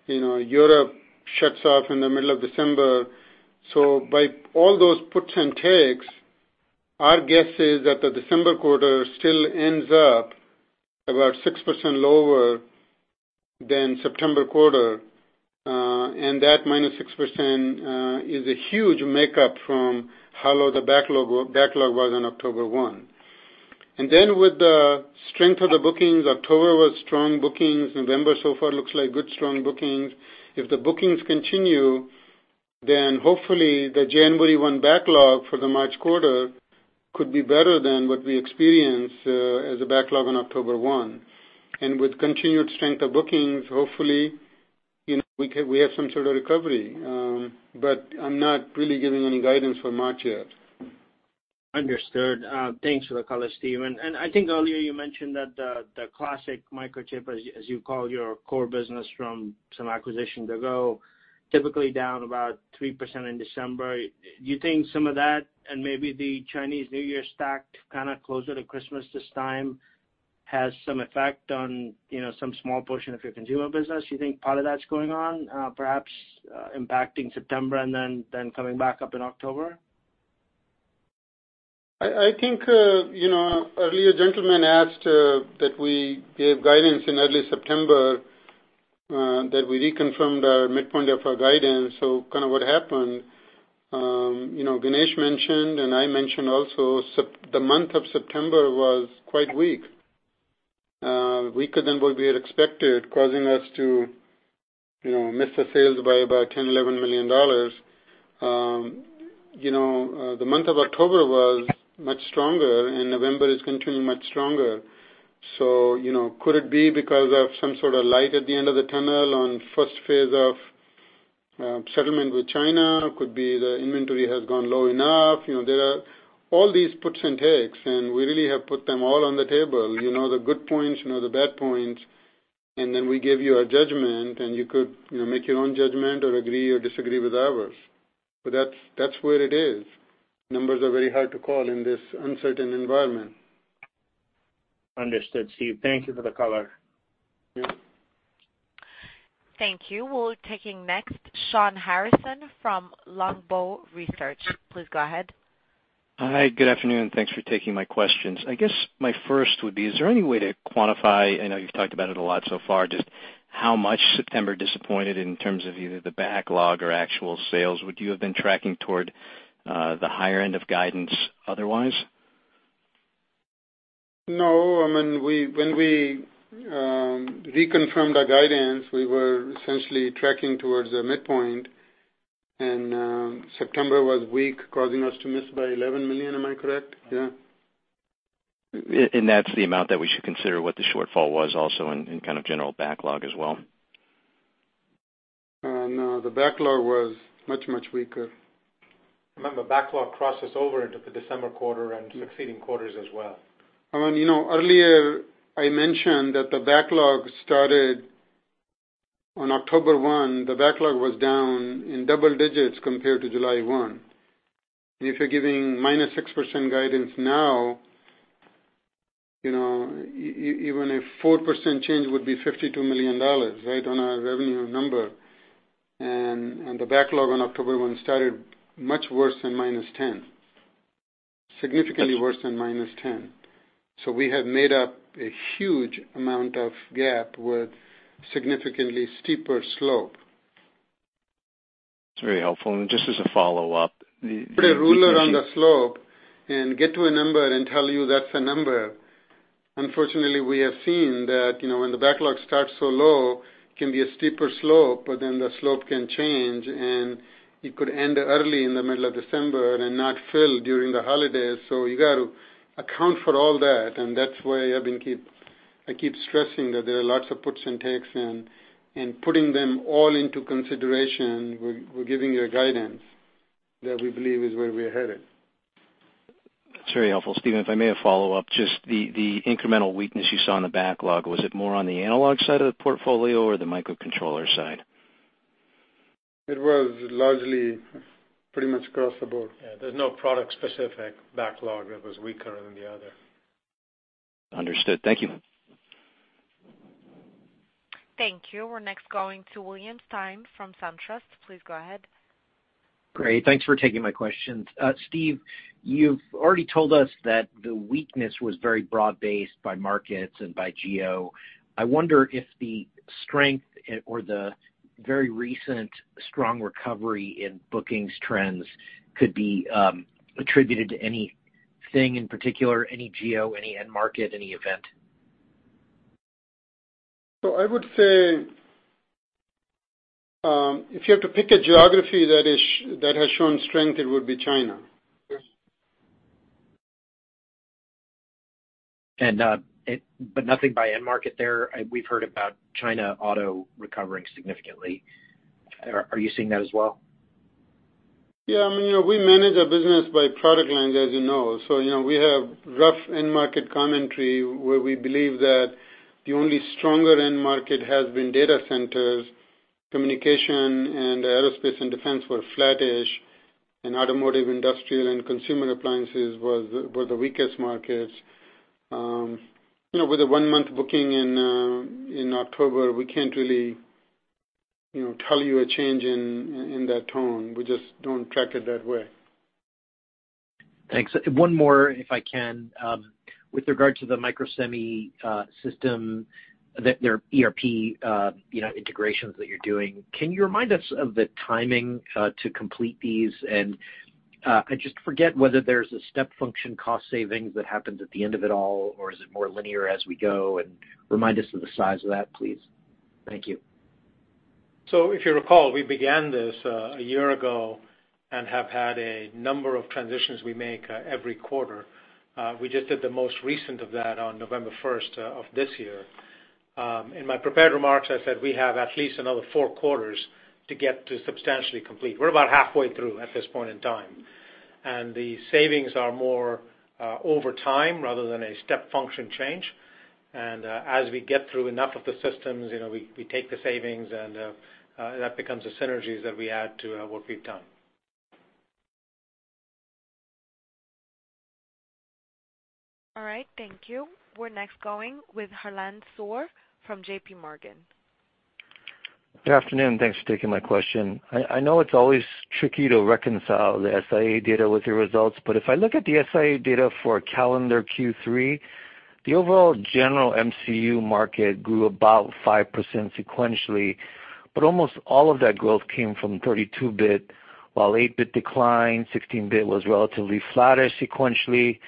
S4: Europe shuts off in the middle of December. By all those puts and takes, our guess is that the December quarter still ends up about 6% lower than September quarter, and that -6% is a huge makeup from how low the backlog was on October 1. With the strength of the bookings, October was strong bookings, November so far looks like good strong bookings. If the bookings continue, then hopefully the January 1 backlog for the March quarter could be better than what we experienced as a backlog on October 1. With continued strength of bookings, hopefully, we have some sort of recovery. I'm not really giving any guidance for March yet.
S8: Understood. Thanks for the color, Steve. I think earlier you mentioned that the classic Microchip, as you call your core business from some acquisitions ago, typically down about 3% in December. Do you think some of that, and maybe the Chinese New Year stacked kind of closer to Christmas this time, has some effect on some small portion of your consumer business? Do you think part of that's going on, perhaps impacting September and then coming back up in October?
S4: I think, earlier a gentleman asked that we gave guidance in early September, that we reconfirmed our mid-point of our guidance. Kind of what happened, Ganesh mentioned, and I mentioned also, the month of September was quite weak. Weaker than what we had expected, causing us to miss the sales by about $10 million-$11 million. The month of October was much stronger, and November is continuing much stronger. Could it be because of some sort of light at the end of the tunnel on first phase of settlement with China? Could be the inventory has gone low enough. There are all these puts and takes, and we really have put them all on the table, the good points, the bad points, and then we give you a judgment, and you could make your own judgment or agree or disagree with ours. That's where it is. Numbers are very hard to call in this uncertain environment.
S8: Understood, Steve. Thank you for the color.
S4: Yeah.
S1: Thank you. We're taking next, Shawn Harrison from Longbow Research. Please go ahead.
S9: Hi, good afternoon. Thanks for taking my questions. I guess my first would be, is there any way to quantify, I know you've talked about it a lot so far, just how much September disappointed in terms of either the backlog or actual sales? Would you have been tracking toward the higher end of guidance otherwise?
S4: No. When we reconfirmed our guidance, we were essentially tracking towards the midpoint, and September was weak, causing us to miss by $11 million. Am I correct? Yeah.
S9: That's the amount that we should consider what the shortfall was also in kind of general backlog as well.
S4: No, the backlog was much, much weaker.
S3: Remember, backlog crosses over into the December quarter and succeeding quarters as well.
S4: Earlier I mentioned that the backlog started on October 1, the backlog was down in double digits compared to July 1. If you're giving -6% guidance now, even a 4% change would be $52 million on our revenue number. The backlog on October 1 started much worse than -10%. Significantly worse than -10%. We have made up a huge amount of gap with significantly steeper slope.
S9: That's very helpful. Just as a follow-up.
S4: Put a ruler on the slope and get to a number and tell you that's the number. Unfortunately, we have seen that when the backlog starts so low, it can be a steeper slope, but then the slope can change, and it could end early in the middle of December and not fill during the holidays. You got to account for all that, and that's why I keep stressing that there are lots of puts and takes and putting them all into consideration, we're giving you a guidance that we believe is where we're headed.
S9: That's very helpful. Steve, if I may have follow up, just the incremental weakness you saw in the backlog, was it more on the analog side of the portfolio or the microcontroller side?
S4: It was largely pretty much across the board.
S3: Yeah, there's no product specific backlog that was weaker than the other.
S9: Understood. Thank you.
S1: Thank you. We're next going to William Stein from SunTrust. Please go ahead.
S10: Great. Thanks for taking my questions. Steve, you've already told us that the weakness was very broad-based by markets and by geo. I wonder if the strength or the very recent strong recovery in bookings trends could be attributed to anything in particular, any geo, any end market, any event?
S4: I would say, if you have to pick a geography that has shown strength, it would be China.
S10: Nothing by end market there. We've heard about China auto recovering significantly. Are you seeing that as well?
S4: Yeah, we manage our business by product lines, as you know. We have rough end market commentary where we believe that the only stronger end market has been data centers, communication, and aerospace and defense were flattish, and automotive, industrial, and consumer appliances were the weakest markets. With a one-month booking in October, we can't really tell you a change in that tone. We just don't track it that way.
S10: Thanks. One more, if I can. With regard to the Microsemi system, their ERP integrations that you're doing, can you remind us of the timing to complete these? I just forget whether there's a step function cost savings that happens at the end of it all, or is it more linear as we go? Remind us of the size of that, please. Thank you.
S3: If you recall, we began this a year ago and have had a number of transitions we make every quarter. We just did the most recent of that on November 1st of this year. In my prepared remarks, I said we have at least another four quarters to get to substantially complete. We're about halfway through at this point in time. The savings are more over time rather than a step function change. As we get through enough of the systems, we take the savings, and that becomes the synergies that we add to what we've done.
S1: All right. Thank you. We're next going with Harlan Sur from J.P. Morgan.
S11: Good afternoon, and thanks for taking my question. I know it's always tricky to reconcile the SIA data with your results, but if I look at the SIA data for calendar Q3, the overall general MCU market grew about 5% sequentially, but almost all of that growth came from 32-bit, while 8-bit declined, 16-bit was relatively flatter sequentially.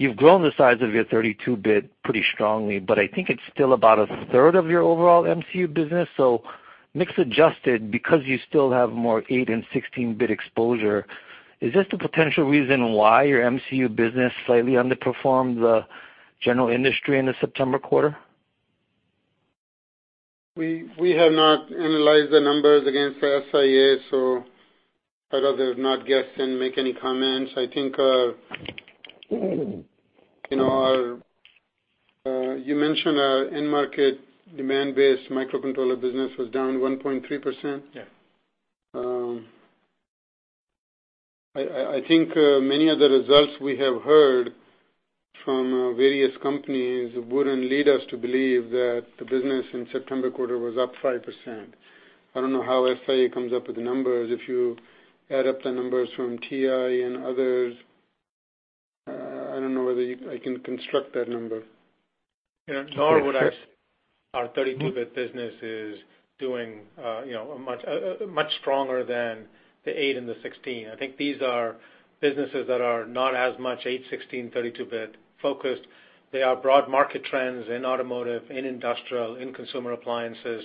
S11: You've grown the size of your 32-bit pretty strongly, but I think it's still about a third of your overall MCU business. Mix adjusted because you still have more 8-bit and 16-bit exposure. Is this the potential reason why your MCU business slightly underperformed the general industry in the September quarter?
S4: We have not analyzed the numbers against the SIA. I'd rather not guess and make any comments. I think, you mentioned our end market demand base microcontroller business was down 1.3%.
S11: Yeah.
S4: I think many of the results we have heard from various companies wouldn't lead us to believe that the business in September quarter was up 5%. I don't know how SIA comes up with the numbers. If you add up the numbers from TI and others, I don't know whether I can construct that number.
S3: Nor would I say our 32-bit business is doing much stronger than the eight and the 16. I think these are businesses that are not as much 8, 16, 32-bit focused. They are broad market trends in automotive, in industrial, in consumer appliances,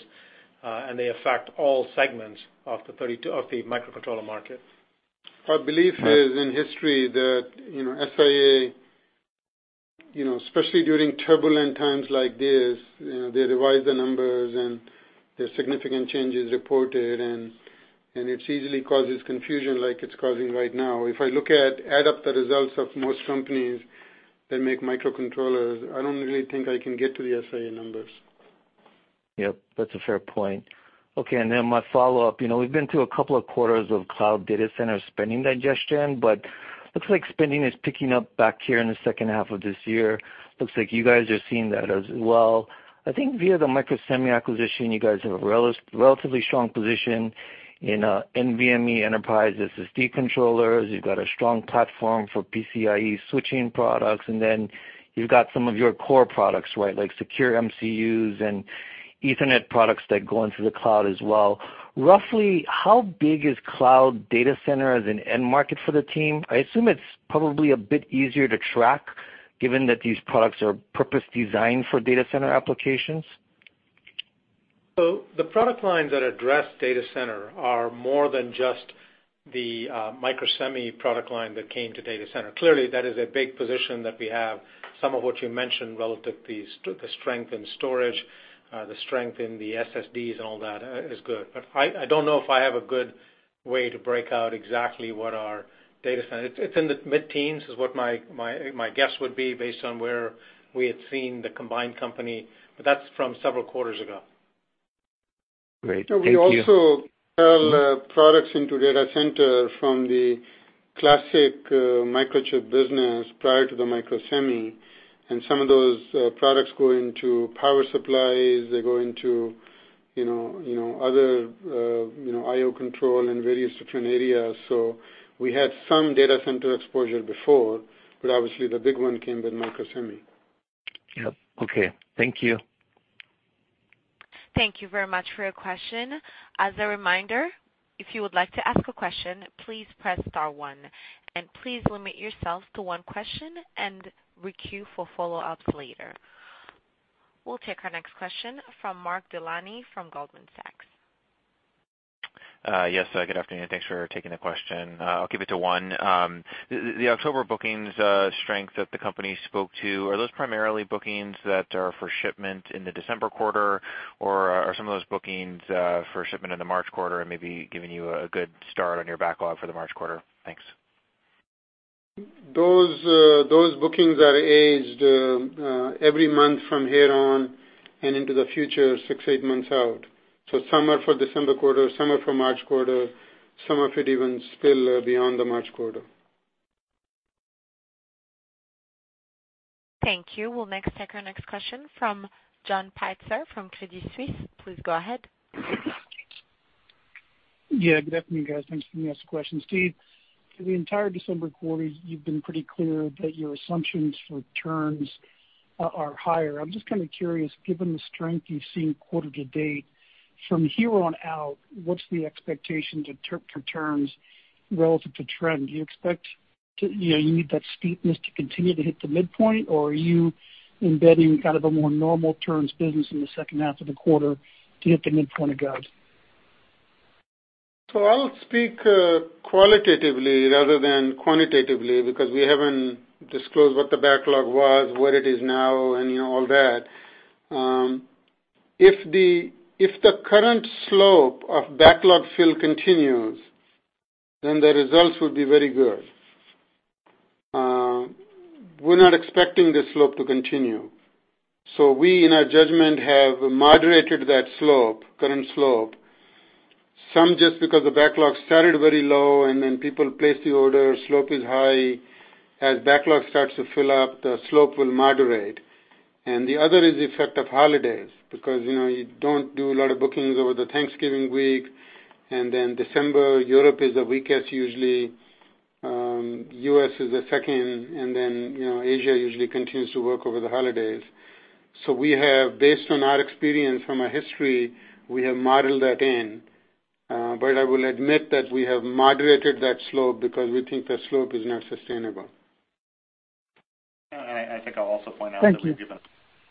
S3: and they affect all segments of the microcontroller market.
S4: My belief is in history that SIA, especially during turbulent times like this, they revise the numbers and there are significant changes reported, and it easily causes confusion like it is causing right now. If I add up the results of most companies that make microcontrollers, I do not really think I can get to the SIA numbers.
S11: Yep, that's a fair point. Okay, my follow-up. We've been through a couple of quarters of cloud data center spending digestion, but looks like spending is picking up back here in the second half of this year. Looks like you guys are seeing that as well. I think via the Microsemi acquisition, you guys have a relatively strong position in NVMe enterprise SSD controllers. You've got a strong platform for PCIE switching products, and then you've got some of your core products, right? Like secure MCUs and ethernet products that go into the cloud as well. Roughly, how big is cloud data center as an end market for the team? I assume it's probably a bit easier to track given that these products are purpose-designed for data center applications.
S3: The product lines that address data center are more than just the Microsemi product line that came to data center. Clearly, that is a big position that we have. Some of what you mentioned relative to the strength in storage, the strength in the SSDs and all that is good. I don't know if I have a good way to break out exactly what our data center. It's in the mid-teens is what my guess would be based on where we had seen the combined company, but that's from several quarters ago.
S11: Great. Thank you.
S4: We also sell products into data center from the classic Microchip business prior to the Microsemi, and some of those products go into power supplies. They go into other IO control and various different areas. We had some data center exposure before, but obviously the big one came with Microsemi. Yep. Okay. Thank you.
S1: Thank you very much for your question. As a reminder, if you would like to ask a question, please press star one, please limit yourself to one question and re-queue for follow-ups later. We'll take our next question from Mark Delaney from Goldman Sachs.
S12: Yes, good afternoon. Thanks for taking the question. I'll keep it to one. The October bookings strength that the company spoke to, are those primarily bookings that are for shipment in the December quarter, or are some of those bookings for shipment in the March quarter and maybe giving you a good start on your backlog for the March quarter? Thanks.
S4: Those bookings are aged every month from here on and into the future, six, eight months out. Some are for December quarter, some are for March quarter, some of it even spill beyond the March quarter.
S1: Thank you. We'll next take our next question from John Pitzer from Credit Suisse. Please go ahead.
S13: Yeah. Good afternoon, guys. Thanks for letting me ask the question. Steve, for the entire December quarter, you've been pretty clear that your assumptions for turns are higher. I'm just kind of curious, given the strength you've seen quarter to date, from here on out, what's the expectation for turns relative to trend? Do you expect you need that steepness to continue to hit the midpoint, or are you embedding kind of a more normal turns business in the second half of the quarter to hit the midpoint of guide?
S4: I'll speak qualitatively rather than quantitatively because we haven't disclosed what the backlog was, what it is now, and all that. If the current slope of backlog fill continues, then the results would be very good. We're not expecting this slope to continue. We, in our judgment, have moderated that current slope. Some just because the backlog started very low, and then people placed the order, slope is high. As backlog starts to fill up, the slope will moderate. The other is the effect of holidays, because you don't do a lot of bookings over the Thanksgiving week, and then December, Europe is the weakest usually, U.S. is the second, and then Asia usually continues to work over the holidays. Based on our experience from our history, we have modeled that in. I will admit that we have moderated that slope because we think that slope is not sustainable.
S2: I think I'll also point out that we've given a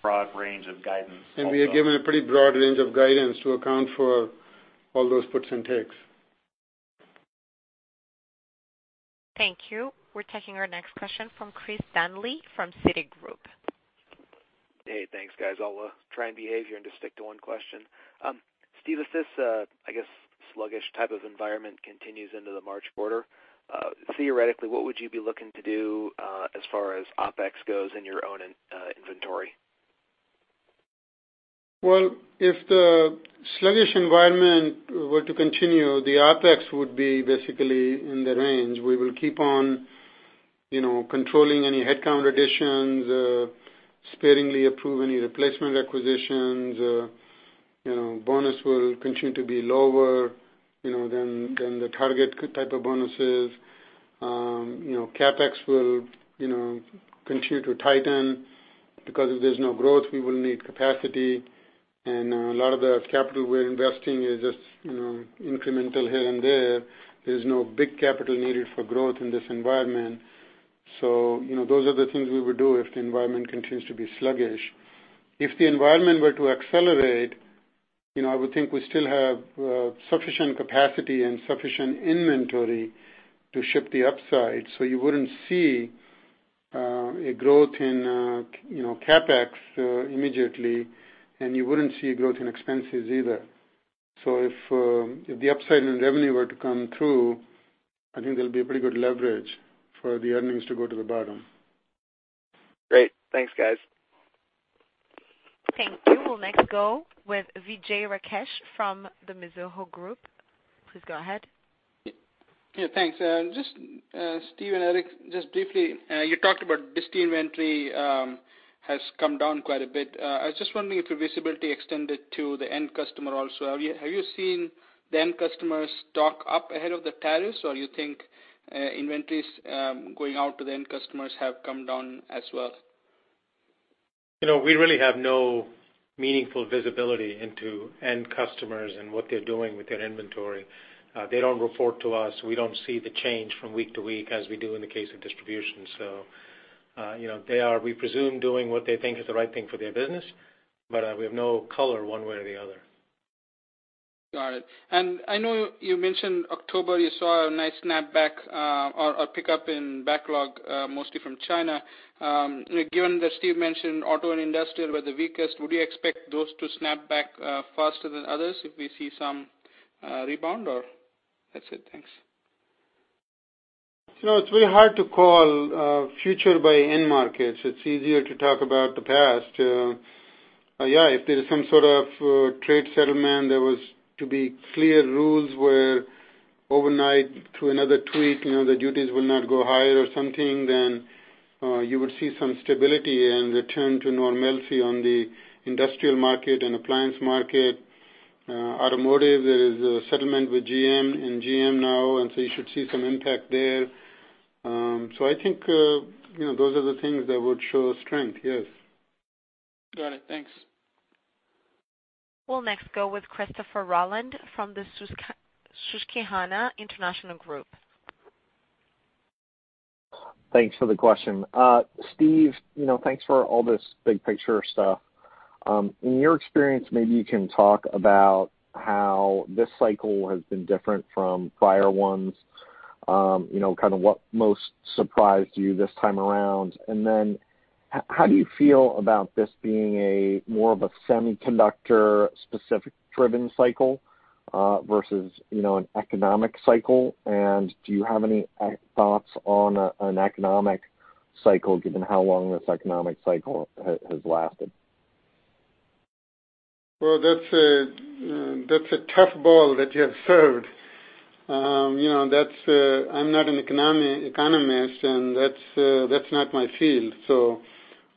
S2: broad range of guidance also.
S4: We have given a pretty broad range of guidance to account for all those puts and takes.
S1: Thank you. We're taking our next question from Christopher Danely from Citigroup.
S14: Hey, thanks, guys. I'll try and behave here and just stick to one question. Steve, if this, I guess, sluggish type of environment continues into the March quarter, theoretically, what would you be looking to do as far as OpEx goes in your own inventory?
S4: Well, if the sluggish environment were to continue, the OpEx would be basically in the range. We will keep on controlling any headcount additions, sparingly approve any replacement acquisitions, bonus will continue to be lower than the target type of bonuses. CapEx will continue to tighten because if there's no growth, we will need capacity. A lot of the capital we're investing is just incremental here and there. There's no big capital needed for growth in this environment. Those are the things we would do if the environment continues to be sluggish. If the environment were to accelerate, I would think we still have sufficient capacity and sufficient inventory to ship the upside. You wouldn't see a growth in CapEx immediately, and you wouldn't see a growth in expenses either. If the upside in revenue were to come through, I think there'll be a pretty good leverage for the earnings to go to the bottom.
S14: Great. Thanks, guys.
S1: Thank you. We'll next go with Vijay Rakesh from Mizuho. Please go ahead.
S15: Yeah, thanks. Steve and Eric, just briefly, you talked about dist inventory has come down quite a bit. I was just wondering if your visibility extended to the end customer also. Have you seen the end customers stock up ahead of the tariffs, or you think inventories going out to the end customers have come down as well?
S3: We really have no meaningful visibility into end customers and what they're doing with their inventory. They don't report to us. We don't see the change from week to week as we do in the case of distribution. They are, we presume, doing what they think is the right thing for their business, but we have no color one way or the other.
S15: Got it. I know you mentioned October, you saw a nice snapback or a pickup in backlog, mostly from China. Given that Steve mentioned auto and industrial were the weakest, would you expect those to snap back faster than others if we see some rebound, or? That's it. Thanks.
S4: It's really hard to call future by end markets. It's easier to talk about the past. If there's some sort of trade settlement, there was to be clear rules where overnight, through another tweet, the duties will not go higher or something, then you would see some stability and return to normalcy on the industrial market and appliance market. Automotive, there is a settlement with GM and GM now, and so you should see some impact there. I think those are the things that would show strength. Yes.
S15: Got it. Thanks.
S1: We'll next go with Christopher Rolland from Susquehanna International Group.
S16: Thanks for the question. Steve, thanks for all this big-picture stuff. In your experience, maybe you can talk about how this cycle has been different from prior ones. Kind of what most surprised you this time around, and then how do you feel about this being a more of a semiconductor-specific driven cycle, versus an economic cycle? Do you have any thoughts on an economic cycle, given how long this economic cycle has lasted?
S4: Well, that's a tough ball that you have served. I'm not an economist, and that's not my field.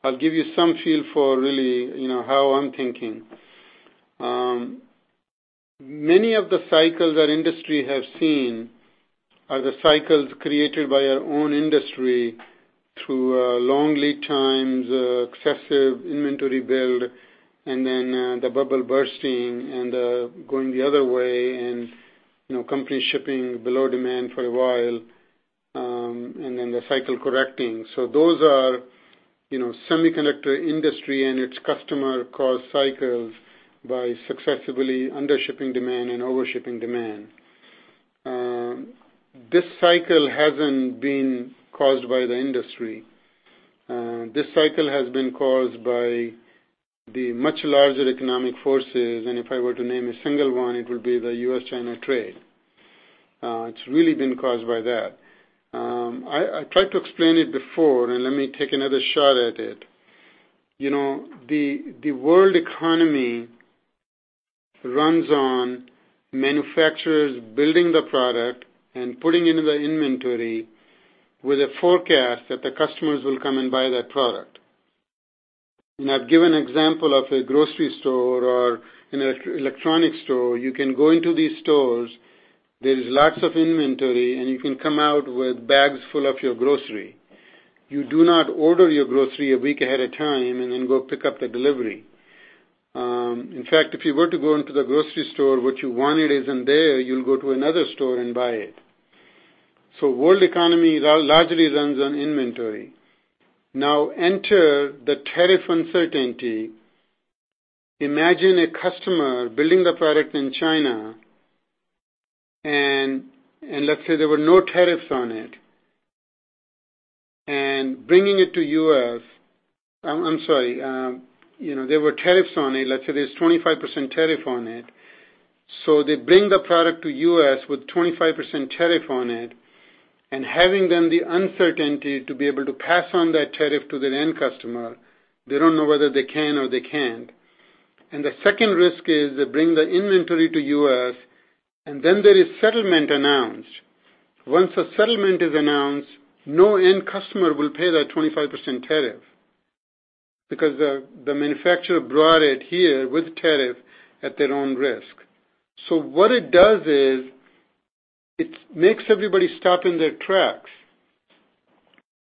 S4: I'll give you some feel for really how I'm thinking. Many of the cycles our industry have seen are the cycles created by our own industry through long lead times, excessive inventory build, and then the bubble bursting and going the other way and companies shipping below demand for a while, and then the cycle correcting. Those are semiconductor industry and its customer-caused cycles by successively undershipping demand and overshipping demand. This cycle hasn't been caused by the industry. This cycle has been caused by the much larger economic forces, and if I were to name a single one, it would be the U.S.-China trade. It's really been caused by that. I tried to explain it before, and let me take another shot at it. The world economy runs on manufacturers building the product and putting into the inventory with a forecast that the customers will come and buy that product. I've given example of a grocery store or an electronic store. You can go into these stores, there is lots of inventory, and you can come out with bags full of your grocery. You do not order your grocery a week ahead of time and then go pick up the delivery. In fact, if you were to go into the grocery store, what you wanted isn't there, you'll go to another store and buy it. World economy largely runs on inventory. Now enter the tariff uncertainty. Imagine a customer building the product in China, and let's say there were no tariffs on it, and bringing it to U.S. I'm sorry. There were tariffs on it. Let's say there's 25% tariff on it. They bring the product to U.S. with 25% tariff on it, and having then the uncertainty to be able to pass on that tariff to their end customer, they don't know whether they can or they can't. The second risk is they bring the inventory to U.S., and then there is settlement announced. Once a settlement is announced, no end customer will pay that 25% tariff because the manufacturer brought it here with tariff at their own risk. What it does is it makes everybody stop in their tracks.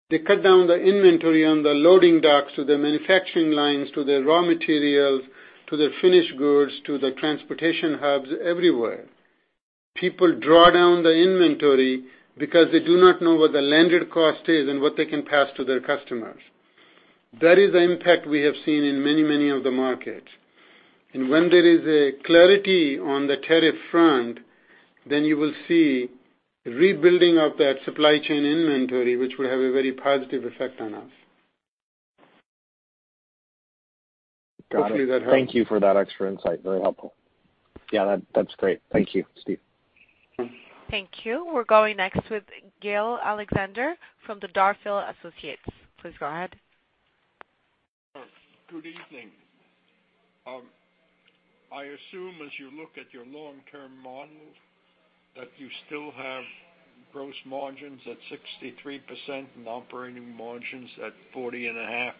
S4: They cut down the inventory on the loading docks, to the manufacturing lines, to the raw materials, to the finished goods, to the transportation hubs, everywhere. People draw down the inventory because they do not know what the landed cost is and what they can pass to their customers. That is the impact we have seen in many of the markets. When there is a clarity on the tariff front, then you will see rebuilding of that supply chain inventory, which will have a very positive effect on us.
S16: Got it.
S4: Hopefully that helps.
S16: Thank you for that extra insight. Very helpful. Yeah. That's great. Thank you, Steve.
S1: Thank you. We're going next with Gil Luria from D.A. Davidson & Co. Please go ahead.
S17: Good evening. I assume as you look at your long-term model, that you still have gross margins at 63% and operating margins at 40.5%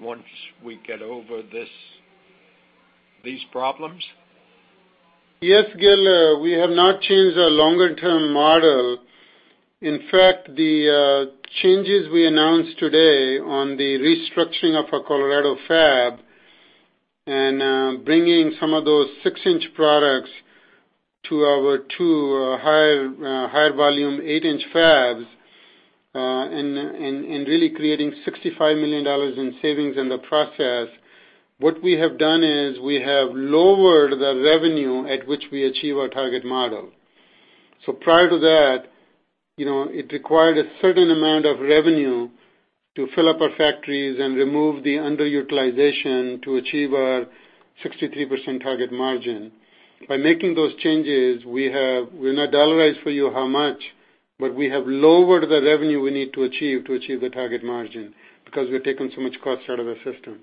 S17: once we get over these problems?
S4: Yes, Gil, we have not changed our longer-term model. The changes we announced today on the restructuring of our Colorado fab and bringing some of those six-inch products to our two higher volume eight-inch fabs, and really creating $65 million in savings in the process. What we have done is we have lowered the revenue at which we achieve our target model. Prior to that, it required a certain amount of revenue to fill up our factories and remove the underutilization to achieve our 63% target margin. By making those changes, we'll not dollarize for you how much, but we have lowered the revenue we need to achieve to achieve the target margin, because we've taken so much cost out of the system.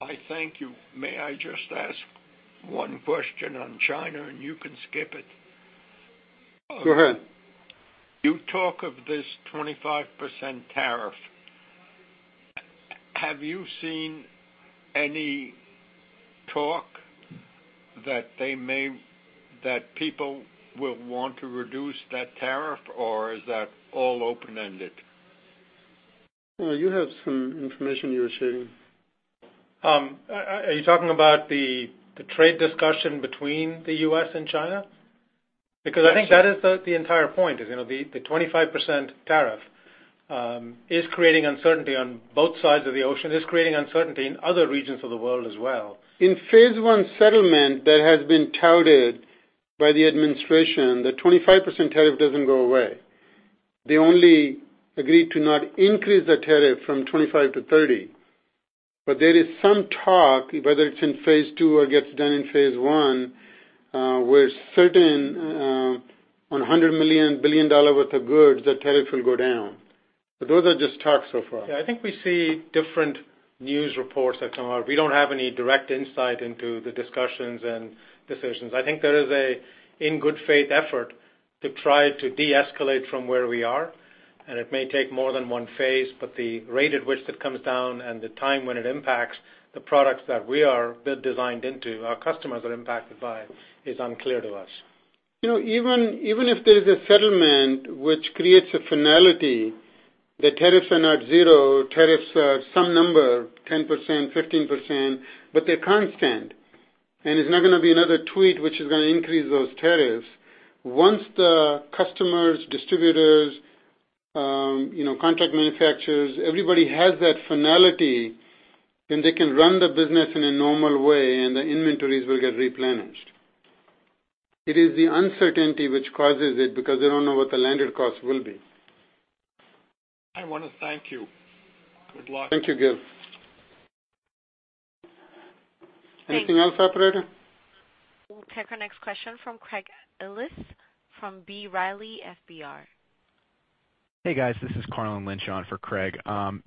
S17: I thank you. May I just ask one question on China, and you can skip it?
S4: Go ahead.
S17: You talk of this 25% tariff. Have you seen any talk that people will want to reduce that tariff, or is that all open-ended?
S4: You had some information you were sharing.
S3: Are you talking about the trade discussion between the U.S. and China? I think that is the entire point is, the 25% tariff is creating uncertainty on both sides of the ocean, is creating uncertainty in other regions of the world as well.
S4: In phase one settlement that has been touted by the administration, the 25% tariff doesn't go away. They only agreed to not increase the tariff from 25% to 30%. There is some talk, whether it's in phase two or gets done in phase one, where certain on $100 billion worth of goods, that tariff will go down. Those are just talks so far.
S3: Yeah, I think we see different news reports that come out. We don't have any direct insight into the discussions and decisions. I think there is a in good faith effort to try to deescalate from where we are, and it may take more than one phase, but the rate at which that comes down and the time when it impacts the products that we are built designed into, our customers are impacted by, is unclear to us.
S4: Even if there is a settlement which creates a finality, the tariffs are not zero. Tariffs are some number, 10%, 15%, but they're constant. There's not going to be another tweet which is going to increase those tariffs. Once the customers, distributors, contract manufacturers, everybody has that finality, then they can run the business in a normal way, and the inventories will get replenished. It is the uncertainty which causes it because they don't know what the landed cost will be.
S17: I want to thank you. Good luck.
S4: Thank you, Gil. Anything else, operator?
S1: We'll take our next question from Craig Ellis from B. Riley FBR.
S18: Hey, guys. This is Karlin Lynch on for Craig.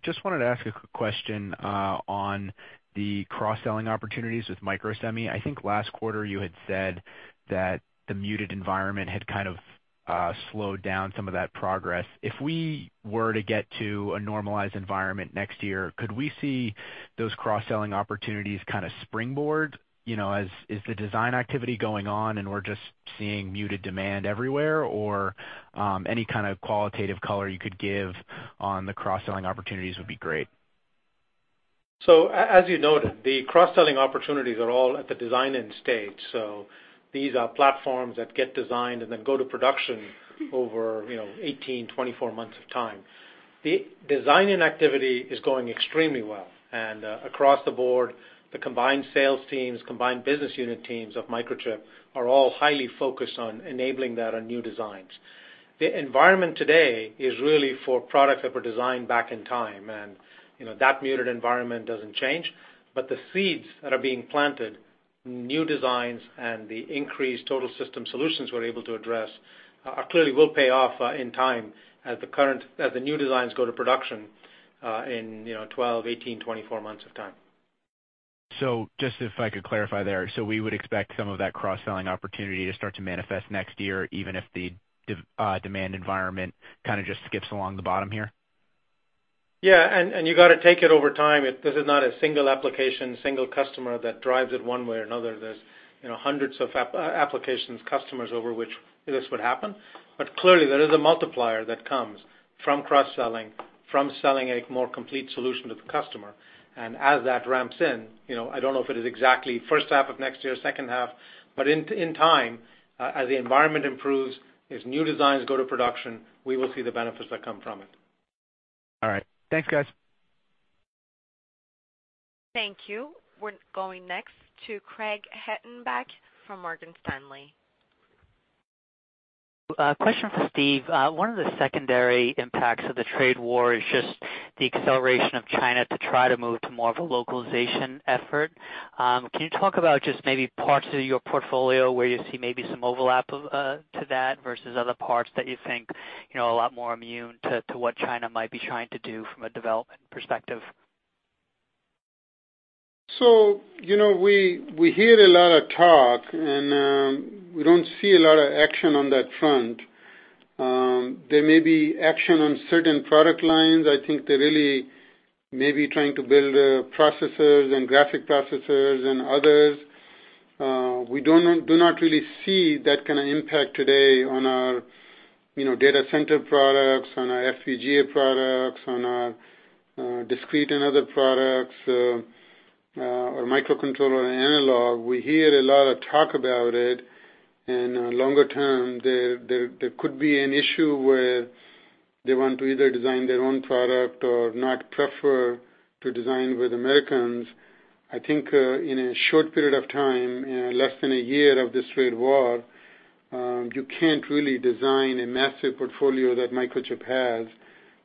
S18: Just wanted to ask a quick question on the cross-selling opportunities with Microsemi. I think last quarter you had said that the muted environment had kind of slowed down some of that progress. If we were to get to a normalized environment next year, could we see those cross-selling opportunities kind of springboard? Is the design activity going on, and we're just seeing muted demand everywhere? Any kind of qualitative color you could give on the cross-selling opportunities would be great.
S3: As you noted, the cross-selling opportunities are all at the design-in stage. These are platforms that get designed and then go to production over 18, 24 months of time. The design-in activity is going extremely well. Across the board, the combined sales teams, combined business unit teams of Microchip are all highly focused on enabling that on new designs. The environment today is really for products that were designed back in time. That muted environment doesn't change, but the seeds that are being planted, new designs and the increased total system solutions we're able to address, clearly will pay off in time as the new designs go to production in 12, 18, 24 months of time.
S18: Just if I could clarify there, so we would expect some of that cross-selling opportunity to start to manifest next year, even if the demand environment kind of just skips along the bottom here?
S3: Yeah. You got to take it over time. This is not a single application, single customer that drives it one way or another. There's hundreds of applications, customers over which this would happen. Clearly, there is a multiplier that comes from cross-selling, from selling a more complete solution to the customer. As that ramps in, I don't know if it is exactly first half of next year, second half, but in time, as the environment improves, as new designs go to production, we will see the benefits that come from it.
S18: All right. Thanks, guys.
S1: Thank you. We're going next to Craig Hettenbach from Morgan Stanley.
S19: A question for Steve. One of the secondary impacts of the trade war is just the acceleration of China to try to move to more of a localization effort. Can you talk about just maybe parts of your portfolio where you see maybe some overlap to that versus other parts that you think, are a lot more immune to what China might be trying to do from a development perspective?
S4: We hear a lot of talk, and we don't see a lot of action on that front. There may be action on certain product lines. I think they really may be trying to build processors and graphic processors and others. We do not really see that kind of impact today on our data center products, on our FPGA products, on our discrete and other products, our microcontroller and analog. We hear a lot of talk about it, and longer term, there could be an issue where they want to either design their own product or not prefer to design with Americans. I think, in a short period of time, in less than a year of this trade war, you can't really design a massive portfolio that Microchip has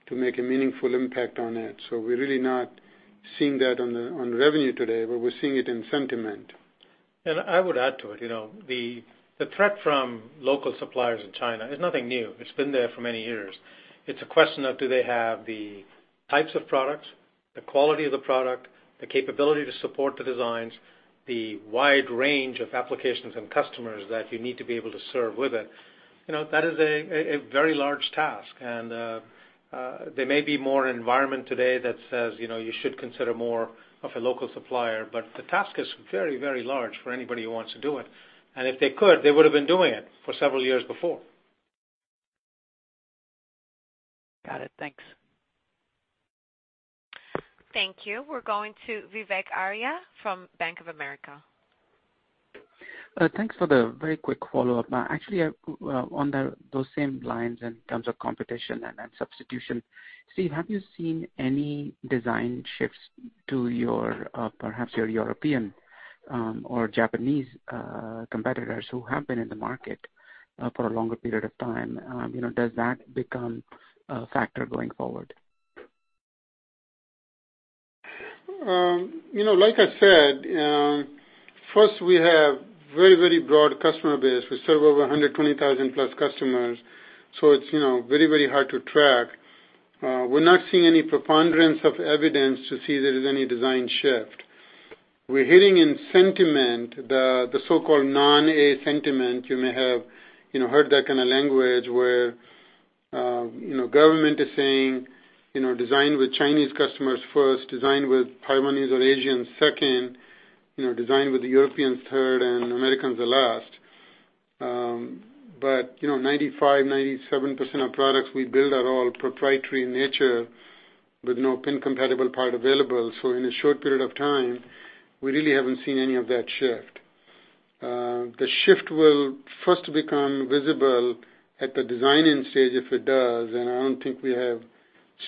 S4: to make a meaningful impact on it. We're really not seeing that on revenue today, but we're seeing it in sentiment.
S3: I would add to it. The threat from local suppliers in China is nothing new. It's been there for many years. It's a question of do they have the types of products, the quality of the product, the capability to support the designs, the wide range of applications and customers that you need to be able to serve with it, that is a very large task, and there may be more environment today that says, you should consider more of a local supplier. The task is very large for anybody who wants to do it, and if they could, they would have been doing it for several years before.
S19: Got it. Thanks.
S1: Thank you. We're going to Vivek Arya from Bank of America.
S7: Thanks for the very quick follow-up. Actually, on those same lines in terms of competition and substitution, Steve, have you seen any design shifts to perhaps your European or Japanese competitors who have been in the market for a longer period of time? Does that become a factor going forward?
S4: Like I said, first we have very broad customer base. We serve over 120,000-plus customers, so it's very hard to track. We're not seeing any preponderance of evidence to see there is any design shift. We're hearing in sentiment, the so-called non-American sentiment, you may have heard that kind of language, where government is saying, "Design with Chinese customers first, design with Taiwanese or Asians second, design with the Europeans third, and Americans the last." 95%, 97% of products we build are all proprietary in nature with no pin-compatible part available. In a short period of time, we really haven't seen any of that shift. The shift will first become visible at the designing stage if it does. I don't think we have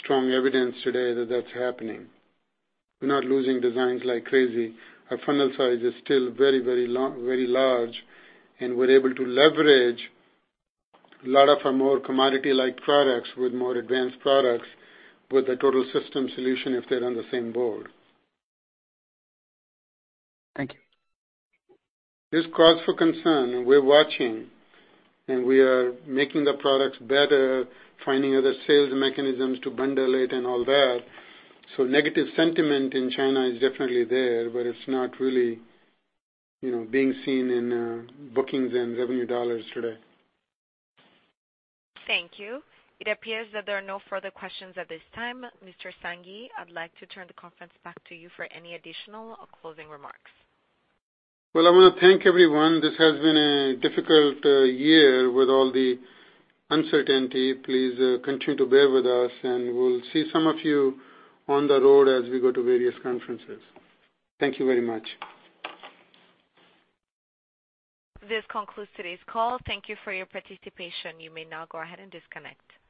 S4: strong evidence today that that's happening. We're not losing designs like crazy. Our funnel size is still very large, and we're able to leverage a lot of our more commodity-like products with more advanced products with a total system solution if they're on the same board.
S7: Thank you.
S4: There's cause for concern, and we're watching, and we are making the products better, finding other sales mechanisms to bundle it and all that. Negative sentiment in China is definitely there, but it's not really being seen in bookings and revenue dollars today.
S1: Thank you. It appears that there are no further questions at this time. Mr. Sanghi, I'd like to turn the conference back to you for any additional or closing remarks.
S4: Well, I want to thank everyone. This has been a difficult year with all the uncertainty. Please continue to bear with us, and we'll see some of you on the road as we go to various conferences. Thank you very much.
S1: This concludes today's call. Thank you for your participation. You may now go ahead and disconnect.